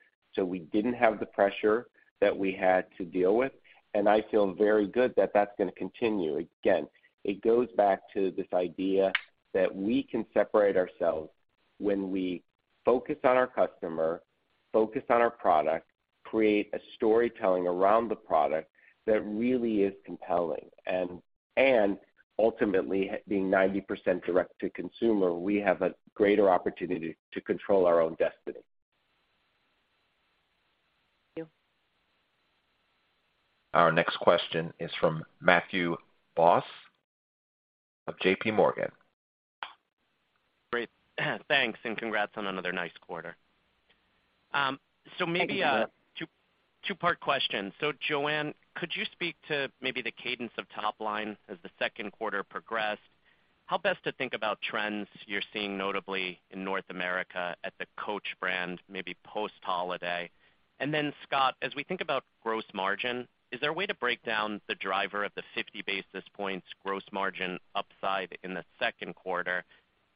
Speaker 7: We didn't have the pressure that we had to deal with, and I feel very good that that's going to continue. Again, it goes back to this idea that we can separate ourselves when we focus on our customer, focus on our product, create a storytelling around the product that really is compelling. Ultimately, being 90% direct-to-consumer, we have a greater opportunity to control our own destiny.
Speaker 8: Thank you.
Speaker 1: Our next question is from Matthew Boss of JPMorgan.
Speaker 9: Great. Thanks, congrats on another nice quarter. Maybe a two-part question. Joanne, could you speak to maybe the cadence of top line as the second quarter progressed? How best to think about trends you're seeing, notably in North America at the Coach brand, maybe post-holiday? Scott, as we think about gross margin, is there a way to break down the driver of the 50 basis points gross margin upside in the second quarter?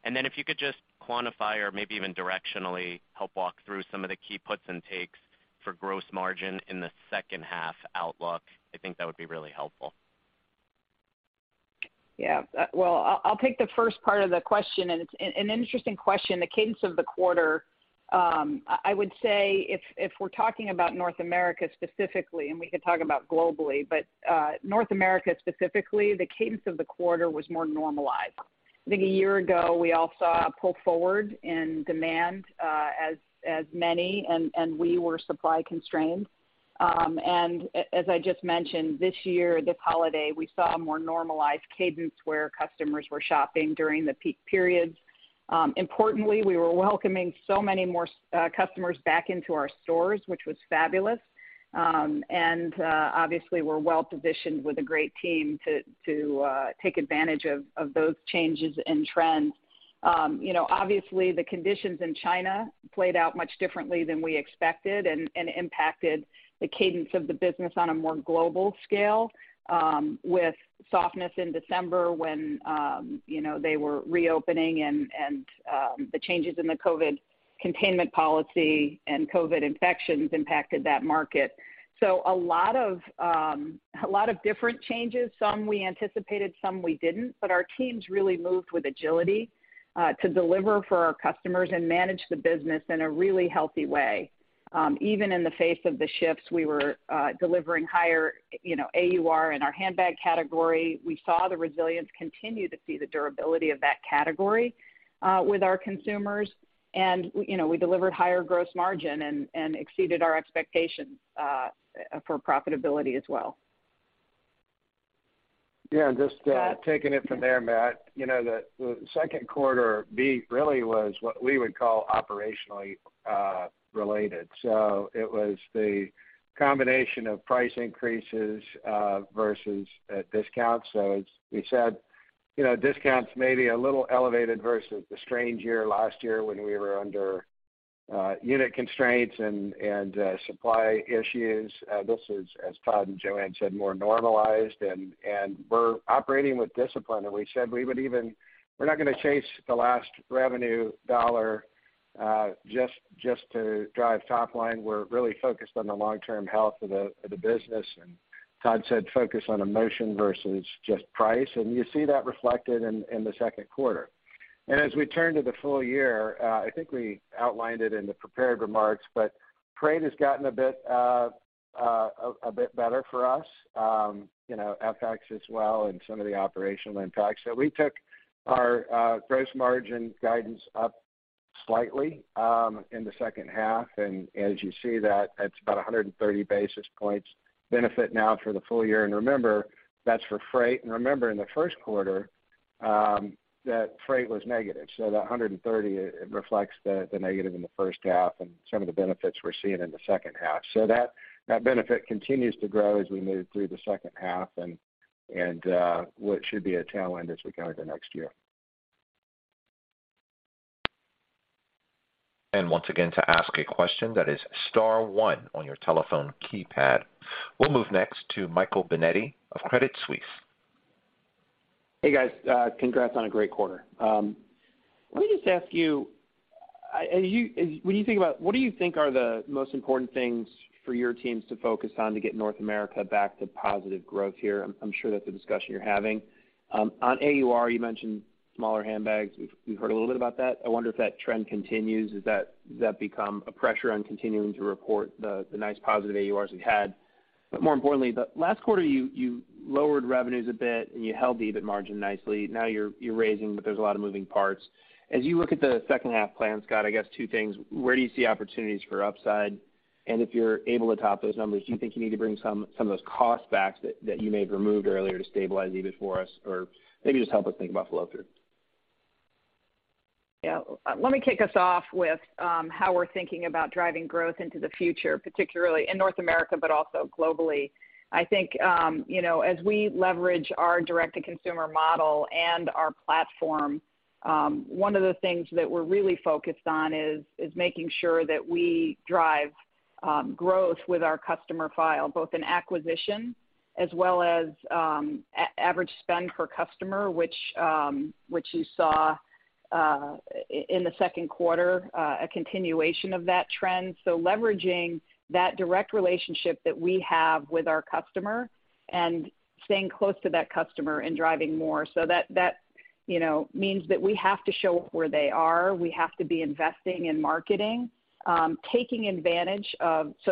Speaker 9: If you could just quantify or maybe even directionally help walk through some of the key puts and takes for gross margin in the second half outlook, I think that would be really helpful.
Speaker 3: Yeah. Well, I'll take the first part of the question. It's an interesting question, the cadence of the quarter. I would say if we're talking about North America specifically, and we can talk about globally, but North America specifically, the cadence of the quarter was more normalized. I think a year ago, we all saw a pull forward in demand, as many, and we were supply constrained. As I just mentioned, this year, this holiday, we saw a more normalized cadence where customers were shopping during the peak periods. Importantly, we were welcoming so many more customers back into our stores, which was fabulous. Obviously, we're well-positioned with a great team to take advantage of those changes and trends. You know, obviously, the conditions in China played out much differently than we expected and impacted the cadence of the business on a more global scale, with softness in December when, you know, they were reopening and, the changes in the COVID containment policy and COVID infections impacted that market. A lot of, a lot of different changes. Some we anticipated, some we didn't, our teams really moved with agility to deliver for our customers and manage the business in a really healthy way. Even in the face of the shifts, we were delivering higher, you know, AUR in our handbag category. We saw the resilience continue to see the durability of that category with our consumers. You know, we delivered higher gross margin and exceeded our expectations for profitability as well.
Speaker 4: Just, taking it from there, Matthew, you know, the second quarter beat really was what we would call operationally related. It was the combination of price increases versus discounts. As we said, you know, discounts may be a little elevated versus the strange year last year when we were under unit constraints and supply issues. This is, as Todd and Joanne said, more normalized and we're operating with discipline. We said we would we're not going to chase the last revenue dollar just to drive top line. We're really focused on the long-term health of the business. Todd said, focus on emotion versus just price. You see that reflected in the second quarter. As we turn to the full year, I think we outlined it in the prepared remarks, but freight has gotten a bit better for us, you know, FX as well and some of the operational impacts. We took our gross margin guidance up slightly in the second half. As you see that it's about 130 basis points benefit now for the full year. Remember, that's for freight. Remember, in the first quarter, that freight was negative. That 130, it reflects the negative in the first half and some of the benefits we're seeing in the second half. That benefit continues to grow as we move through the second half and what should be a tailwind as we go into next year.
Speaker 1: Once again, to ask a question that is star one on your telephone keypad. We'll move next to Michael Binetti of Credit Suisse.
Speaker 10: Hey, guys, congrats on a great quarter. Let me just ask you, what do you think are the most important things for your teams to focus on to get North America back to positive growth here? I'm sure that's a discussion you're having. On AUR, you mentioned smaller handbags. We've heard a little bit about that. I wonder if that trend continues. Does that become a pressure on continuing to report the nice positive AURs you've had? More importantly, the last quarter, you lowered revenues a bit and you held the EBIT margin nicely. Now you're raising, there's a lot of moving parts. As you look at the second half plans, Scott, I guess two things. Where do you see opportunities for upside? If you're able to top those numbers, do you think you need to bring some of those costs back that you may have removed earlier to stabilize EBIT for us? Maybe just help us think about flow through.
Speaker 3: Let me kick us off with how we're thinking about driving growth into the future, particularly in North America, but also globally. I think, you know, as we leverage our direct-to-consumer model and our platform, one of the things that we're really focused on is making sure that we drive growth with our customer file, both in acquisition as well as average spend per customer, which you saw in the second quarter, a continuation of that trend. Leveraging that direct relationship that we have with our customer and staying close to that customer and driving more. That, you know, means that we have to show up where they are. We have to be investing in marketing, so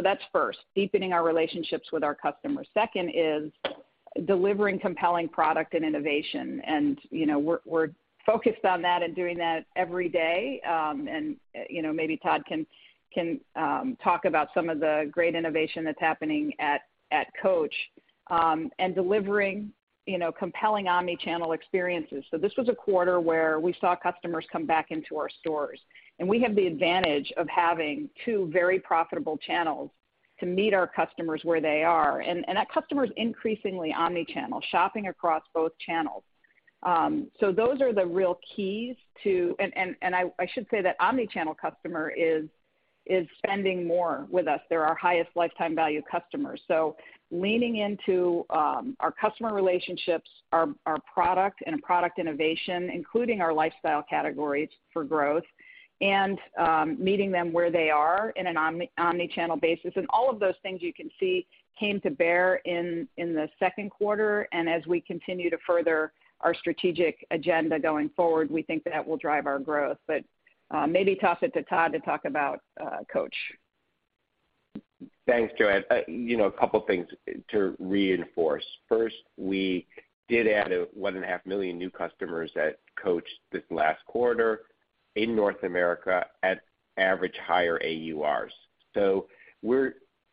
Speaker 3: that's first, deepening our relationships with our customers. Second is delivering compelling product and innovation. You know, we're focused on that and doing that every day. You know, maybe Todd can talk about some of the great innovation that's happening at Coach, and delivering, you know, compelling omni-channel experiences. This was a quarter where we saw customers come back into our stores, and we have the advantage of having two very profitable channels to meet our customers where they are. That customer is increasingly omni-channel, shopping across both channels. Those are the real keys to. I should say that omni-channel customer is spending more with us. They're our highest lifetime value customers. Leaning into, our customer relationships, our product and product innovation, including our lifestyle categories for growth and meeting them where they are in an omni-channel basis. All of those things you can see came to bear in the second quarter. As we continue to further our strategic agenda going forward, we think that will drive our growth. Maybe toss it to Todd to talk about Coach.
Speaker 7: Thanks, Joanne. You know, a couple of things to reinforce. First, we did add 1.5 million new customers at Coach this last quarter in North America at average higher AURs.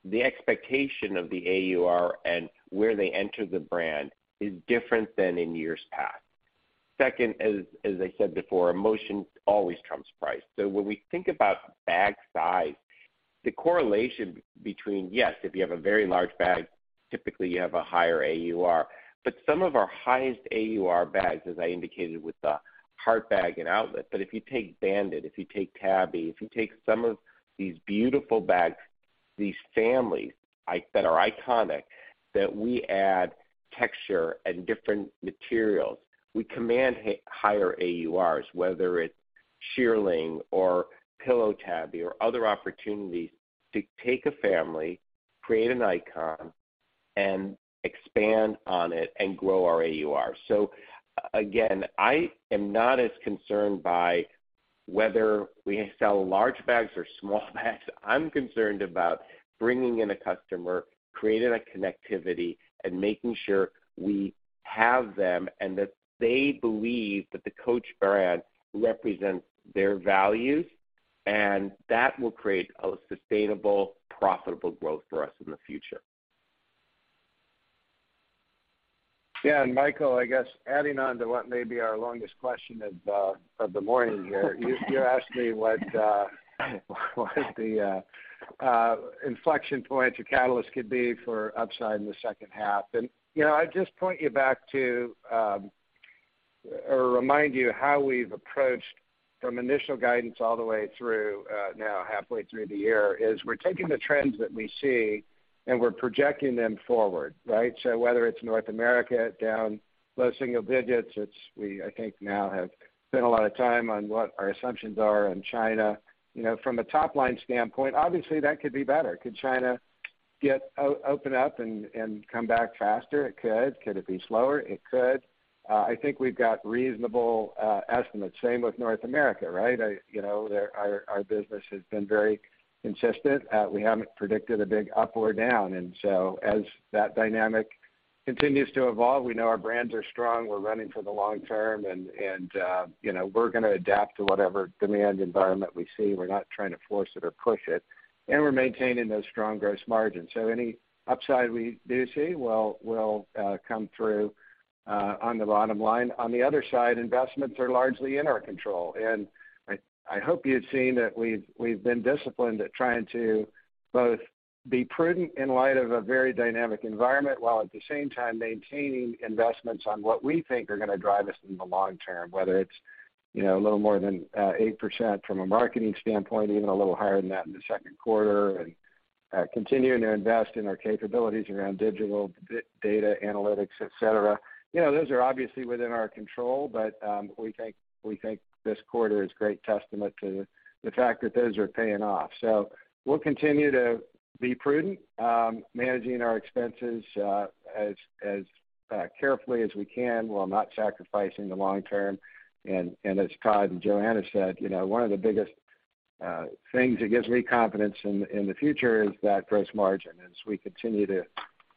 Speaker 7: The expectation of the AUR and where they enter the brand is different than in years past. Second, as I said before, emotion always comes price. When we think about bag size, the correlation between, yes, if you have a very large bag, typically you have a higher AUR. Some of our highest AUR bags, as I indicated, with the heart bag and outlet. If you take Bandit, if you take Tabby, if you take some of these beautiful bags, these families that are iconic, that we add texture and different materials, we command higher AURs, whether it's Shearling or Pillow Tabby or other opportunities to take a family, create an icon, and expand on it and grow our AUR. Again, I am not as concerned by whether we sell large bags or small bags. I'm concerned about bringing in a customer, creating a connectivity and making sure we have them and that they believe that the Coach brand represents their values, and that will create a sustainable, profitable growth for us in the future.
Speaker 4: Yeah. And, Michael, I guess, adding on to what may be our longest question of the morning, you asked me what Inflection point or catalyst could be for upside in the second half. You know, I'd just point you back to. Remind you how we've approached from initial guidance all the way through, now halfway through the year, is we're taking the trends that we see, and we're projecting them forward, right? Whether it's North America down low single digits, we, I think, now have spent a lot of time on what our assumptions are on China. You know, from a top-line standpoint, obviously, that could be better. Could China open up and come back faster? It could. Could it be slower? It could. I think we've got reasonable estimates. Same with North America, right? I, you know, our business has been very consistent. We haven't predicted a big up or down. As that dynamic continues to evolve, we know our brands are strong, we're running for the long term and, you know, we're gonna adapt to whatever demand environment we see. We're not trying to force it or push it, and we're maintaining those strong gross margins. Any upside we do see will come through on the bottom line. On the other side, investments are largely in our control. I hope you've seen that we've been disciplined at trying to both be prudent in light of a very dynamic environment, while at the same time, maintaining investments on what we think are gonna drive us in the long term, whether it's, you know, a little more than 8% from a marketing standpoint, even a little higher than that in the second quarter, and continuing to invest in our capabilities around digital data analytics, et cetera. You know, those are obviously within our control, but we think this quarter is great testament to the fact that those are paying off. We'll continue to be prudent, managing our expenses, as carefully as we can while not sacrificing the long term. As Todd and Joanne said, you know, one of the biggest things that gives me confidence in the future is that gross margin as we continue to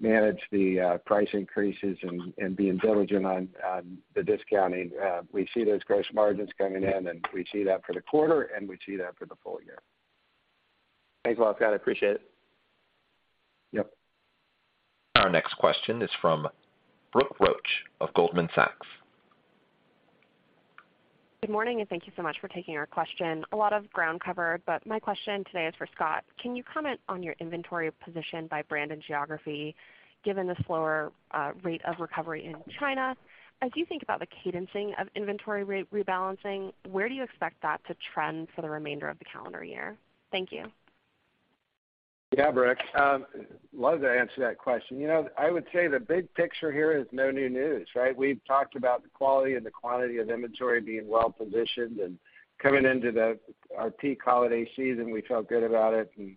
Speaker 4: manage the price increases and being diligent on the discounting. We see those gross margins coming in, and we see that for the quarter, and we see that for the full year.
Speaker 10: Thanks a lot. Got it. I appreciate it.
Speaker 4: Yep.
Speaker 1: Our next question is from Brooke Roach of Goldman Sachs.
Speaker 11: Good morning, thank you so much for taking our question. A lot of ground covered, my question today is for Scott. Can you comment on your inventory position by brand and geography given the slower rate of recovery in China? As you think about the cadencing of inventory rebalancing, where do you expect that to trend for the remainder of the calendar year? Thank you.
Speaker 4: Yeah, Brooke. You know, I would say the big picture here is no new news, right? We've talked about the quality and the quantity of inventory being well positioned, and coming into our peak holiday season, we felt good about it. And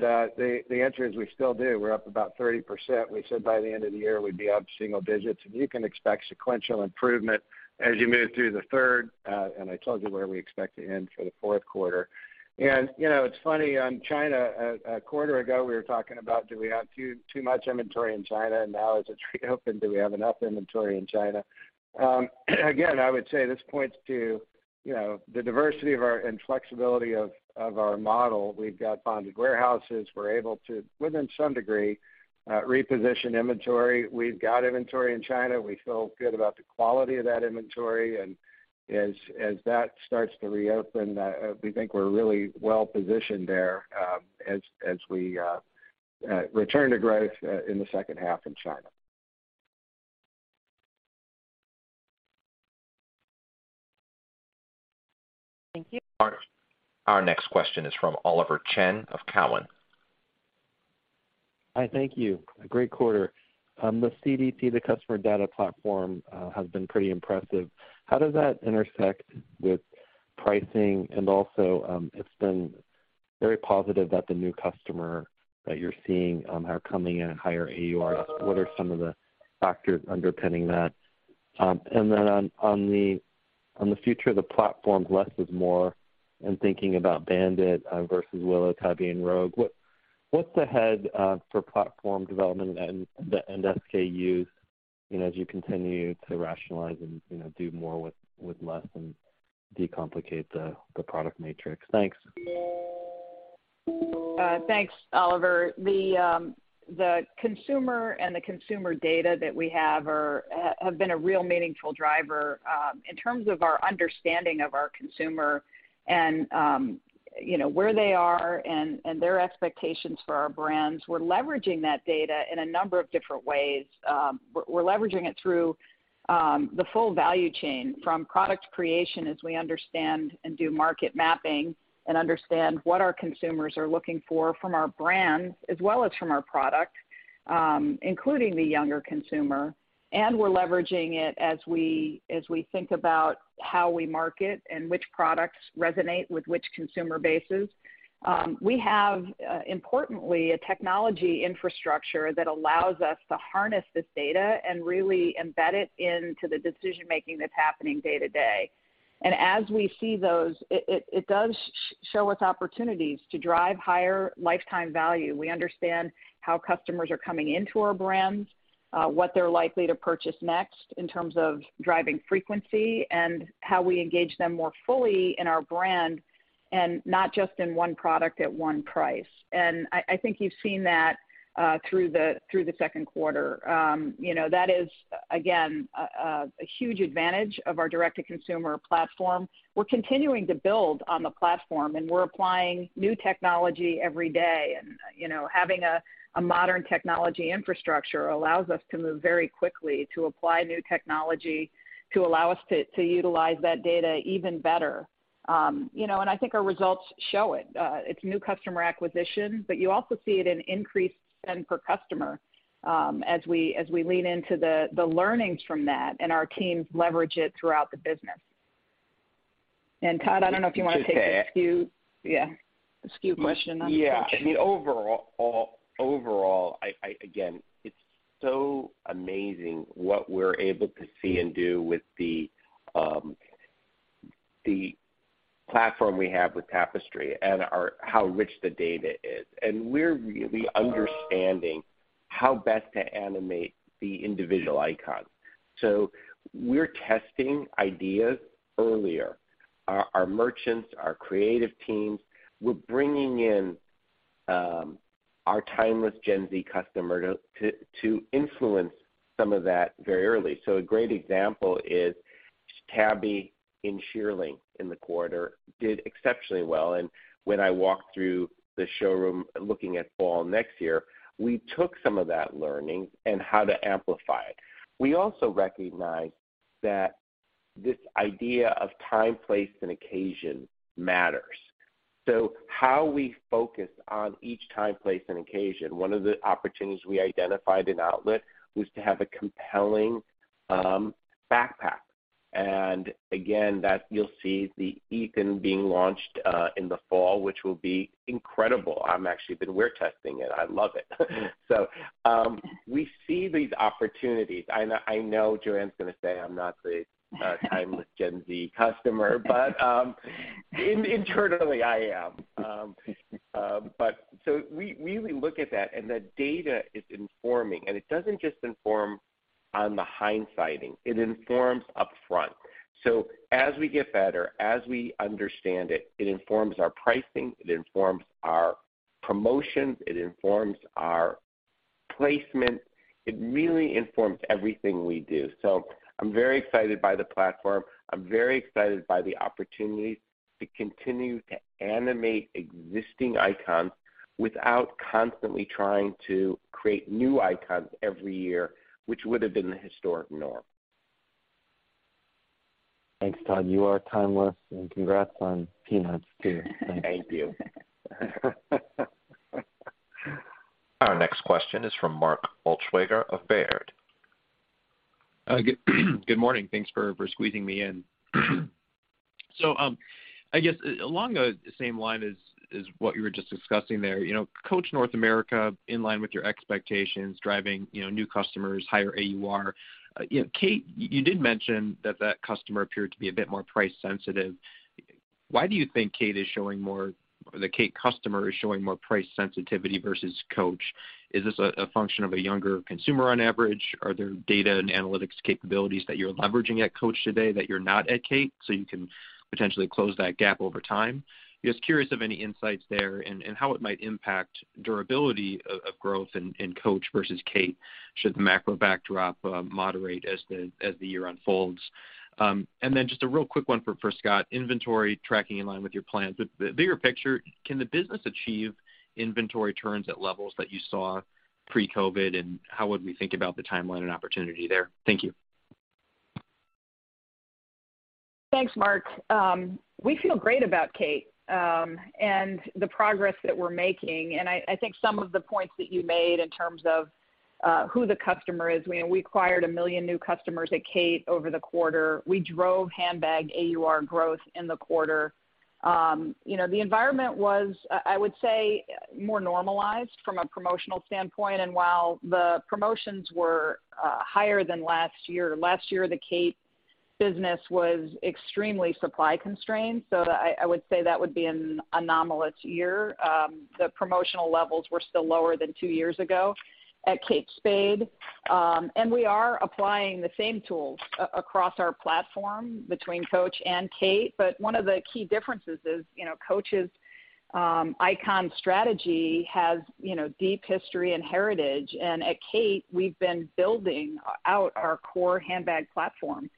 Speaker 4: the answer is we still do. We're up about 30%. We said by the end of the year we'd be up single digits. You can expect sequential improvement as you move through the third, and I told you where we expect to end for the fourth quarter. You know, it's funny, on China, a quarter ago, we were talking about do we have too much inventory in China? Now as it's reopens, do we have enough inventory in China? Again, I would say this points to, you know, the diversity of our and flexibility of our model. We've got bonded warehouses. We're able to, within some degree, reposition inventory. We've got inventory in China. As that starts to reopen, we think we're really well positioned there, as we return to growth in the second half in China.
Speaker 11: Thank you.
Speaker 1: Our next question is from Oliver Chen of Cowen.
Speaker 12: Hi, thank you. A great quarter. The CDP, the Customer Data Platform, has been pretty impressive. How does that intersect with pricing? Also, it's been very positive that the new customer that you're seeing, are coming in at higher AUR. What are some of the factors underpinning that? Then on the future of the platforms, less is more, I'm thinking about Bandit, versus Willow, Katie and Rogue. What's ahead, for platform development and SKUs, you know, as you continue to rationalize and, you know, do more with less and de-complicate the product matrix? Thanks.
Speaker 3: Thanks, Oliver. The, the consumer and the consumer data that we have are, have been a real meaningful driver, in terms of our understanding of our consumer and, you know, where they are and their expectations for our brands. We're leveraging that data in a number of different ways. We're leveraging it through, the full value chain, from product creation as we understand and do market mapping and understand what our consumers are looking for from our brand as well as from our product, including the younger consumer. We're leveraging it as we think about how we market and which products resonate with which consumer bases. We have, importantly, a technology infrastructure that allows us to harness this data and really embed it into the decision-making that's happening day to day. As we see those, it does show us opportunities to drive higher lifetime value. We understand how customers are coming into our brands, what they're likely to purchase next in terms of driving frequency and how we engage them more fully in our brand and not just in one product at one price. I think you've seen that through the second quarter. You know, that is, again, a huge advantage of our direct-to-consumer platform. We're continuing to build on the platform, and we're applying new technology every day. You know, having a modern technology infrastructure allows us to move very quickly to apply new technology to allow us to utilize that data even better. You know, I think our results show it. It's new customer acquisition, but you also see it in increased spend per customer, as we lean into the learnings from that and our teams leverage it throughout the business. Todd, I don't know if you wanna take the SKU question on the Coach.
Speaker 7: Yeah. I mean, overall, again, it's so amazing what we're able to see and do with the platform we have with Tapestry and how rich the data is. We're really understanding how best to animate the individual icon. We're testing ideas earlier. Our merchants, our creative teams, we're bringing in our timeless Gen Z customer to influence some of that very early. A great example is Tabby and Shearling in the quarter did exceptionally well. When I walked through the showroom looking at fall next year, we took some of that learning and how to amplify it. We also recognize that this idea of time, place, and occasion matters. How we focus on each time, place, and occasion. One of the opportunities we identified in outlet was to have a compelling backpack. Again, that you'll see the Ethan being launched in the fall, which will be incredible. I'm been wear testing it. I love it. We see these opportunities. I know Joanne Crevoiserat's gonna say I'm not the timeless Gen Z customer, but internally I am. We really look at that, and the data is informing. It doesn't just inform on the hindsighting. It informs upfront. As we get better, as we understand it informs our pricing, it informs our promotions, it informs our placement. It really informs everything we do. I'm very excited by the platform. I'm very excited by the opportunity to continue to animate existing icons without constantly trying to create new icons every year, which would have been the historic norm.
Speaker 12: Thanks, Todd. You are timeless, and congrats on Peanuts, too. Thanks.
Speaker 7: Thank you.
Speaker 1: Our next question is from Mark Altschwager of Baird.
Speaker 13: Good morning. Thanks for squeezing me in. I guess along the same line as what you were just discussing there, you know, Coach North America in line with your expectations, driving, you know, new customers, higher AUR. You know, Kate, you did mention that that customer appeared to be a bit more price sensitive. Why do you think Kate is showing more price sensitivity versus Coach? Is this a function of a younger consumer on average? Are there data and analytics capabilities that you're leveraging at Coach today that you're not at Kate, so you can potentially close that gap over time? Just curious of any insights there and how it might impact durability of growth in Coach versus Kate should the macro backdrop moderate as the year unfolds. Then just a real quick one for Scott. Inventory tracking in line with your plans. Bigger picture, can the business achieve inventory turns at levels that you saw pre-COVID-19, and how would we think about the timeline and opportunity there? Thank you.
Speaker 3: Thanks, Mark. We feel great about Kate, and the progress that we're making. I think some of the points that you made in terms of, who the customer is, you know, we acquired 1 million new customers at Kate over the quarter. We drove handbag AUR growth in the quarter. You know, the environment was, I would say, more normalized from a promotional standpoint. While the promotions were, higher than last year, the Kate business was extremely supply constrained. I would say that would be an anomalous year. The promotional levels were still lower than two years ago at Kate Spade. We are applying the same tools across our platform between Coach and Kate. One of the key differences is, you know, Coach's icon strategy has, you know, deep history and heritage. At Kate, we've been building out our core handbag platform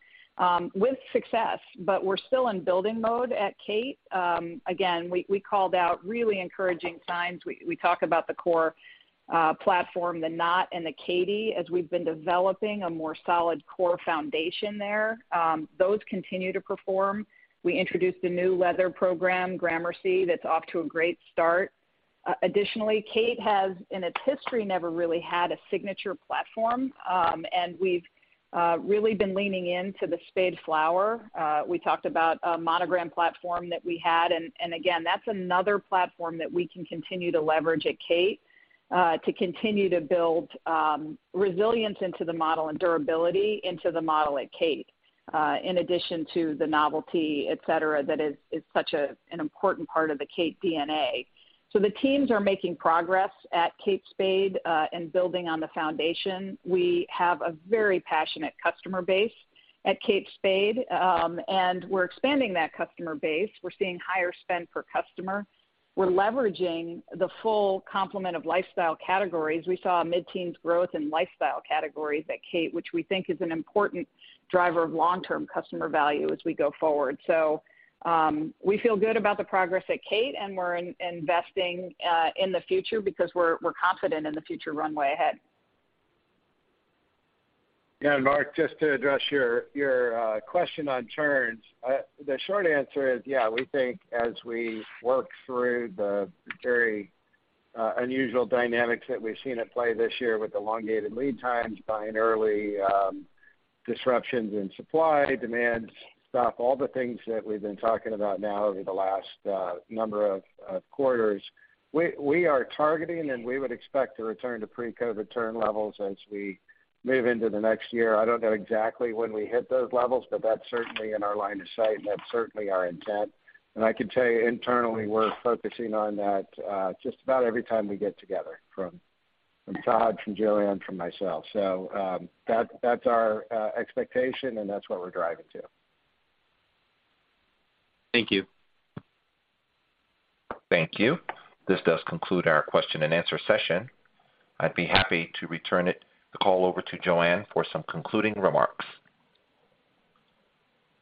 Speaker 3: with success, but we're still in building mode at Kate. Again, we called out really encouraging signs. We talk about the core platform, the Knott and the Katy, as we've been developing a more solid core foundation there. Those continue to perform. We introduced a new leather program, Gramercy, that's off to a great start. Additionally, Kate has, in its history, never really had a signature platform. We've really been leaning into the Spade Flower. We talked about a monogram platform that we had. Again, that's another platform that we can continue to leverage at Kate, to continue to build resilience into the model and durability into the model at Kate, in addition to the novelty, et cetera, that is such an important part of the Kate DNA. The teams are making progress at Kate Spade, and building on the foundation. We have a very passionate customer base at Kate Spade, and we're expanding that customer base. We're seeing higher spend per customer. We're leveraging the full complement of lifestyle categories. We saw a mid-teens growth in lifestyle categories at Kate, which we think is an important driver of long-term customer value as we go forward. We feel good about the progress at Kate, and we're investing in the future because we're confident in the future runway ahead.
Speaker 4: Yeah, Mark, just to address your question on turns. The short answer is yeah, we think as we work through the very unusual dynamics that we've seen at play this year with elongated lead times, binary disruptions in supply, demand stuff, all the things that we've been talking about now over the last number of quarters, we are targeting and we would expect to return to pre-COVID turn levels as we move into the next year. I don't know exactly when we hit those levels, but that's certainly in our line of sight, and that's certainly our intent. I can tell you internally, we're focusing on that just about every time we get together from Todd, from Joanne, from myself. That's our expectation, and that's what we're driving to.
Speaker 13: Thank you.
Speaker 1: Thank you. This does conclude our question and answer session. I'd be happy to return the call over to Joanne for some concluding remarks.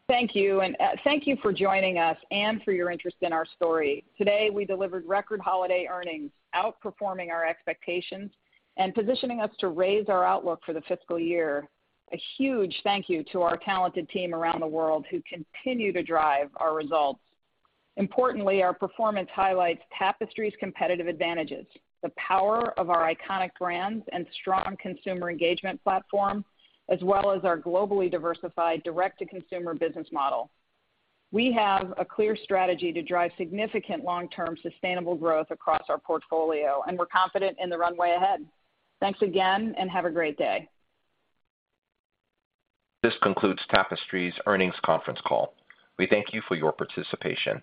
Speaker 3: Thank you. Thank you for joining us and for your interest in our story. Today, we delivered record holiday earnings, outperforming our expectations and positioning us to raise our outlook for the fiscal year. A huge thank you to our talented team around the world who continue to drive our results. Importantly, our performance highlights Tapestry's competitive advantages, the power of our iconic brands and strong consumer engagement platform, as well as our globally diversified direct-to-consumer business model. We have a clear strategy to drive significant long-term sustainable growth across our portfolio, and we're confident in the runway ahead. Thanks again, and have a great day.
Speaker 1: This concludes Tapestry's earnings conference call. We thank you for your participation.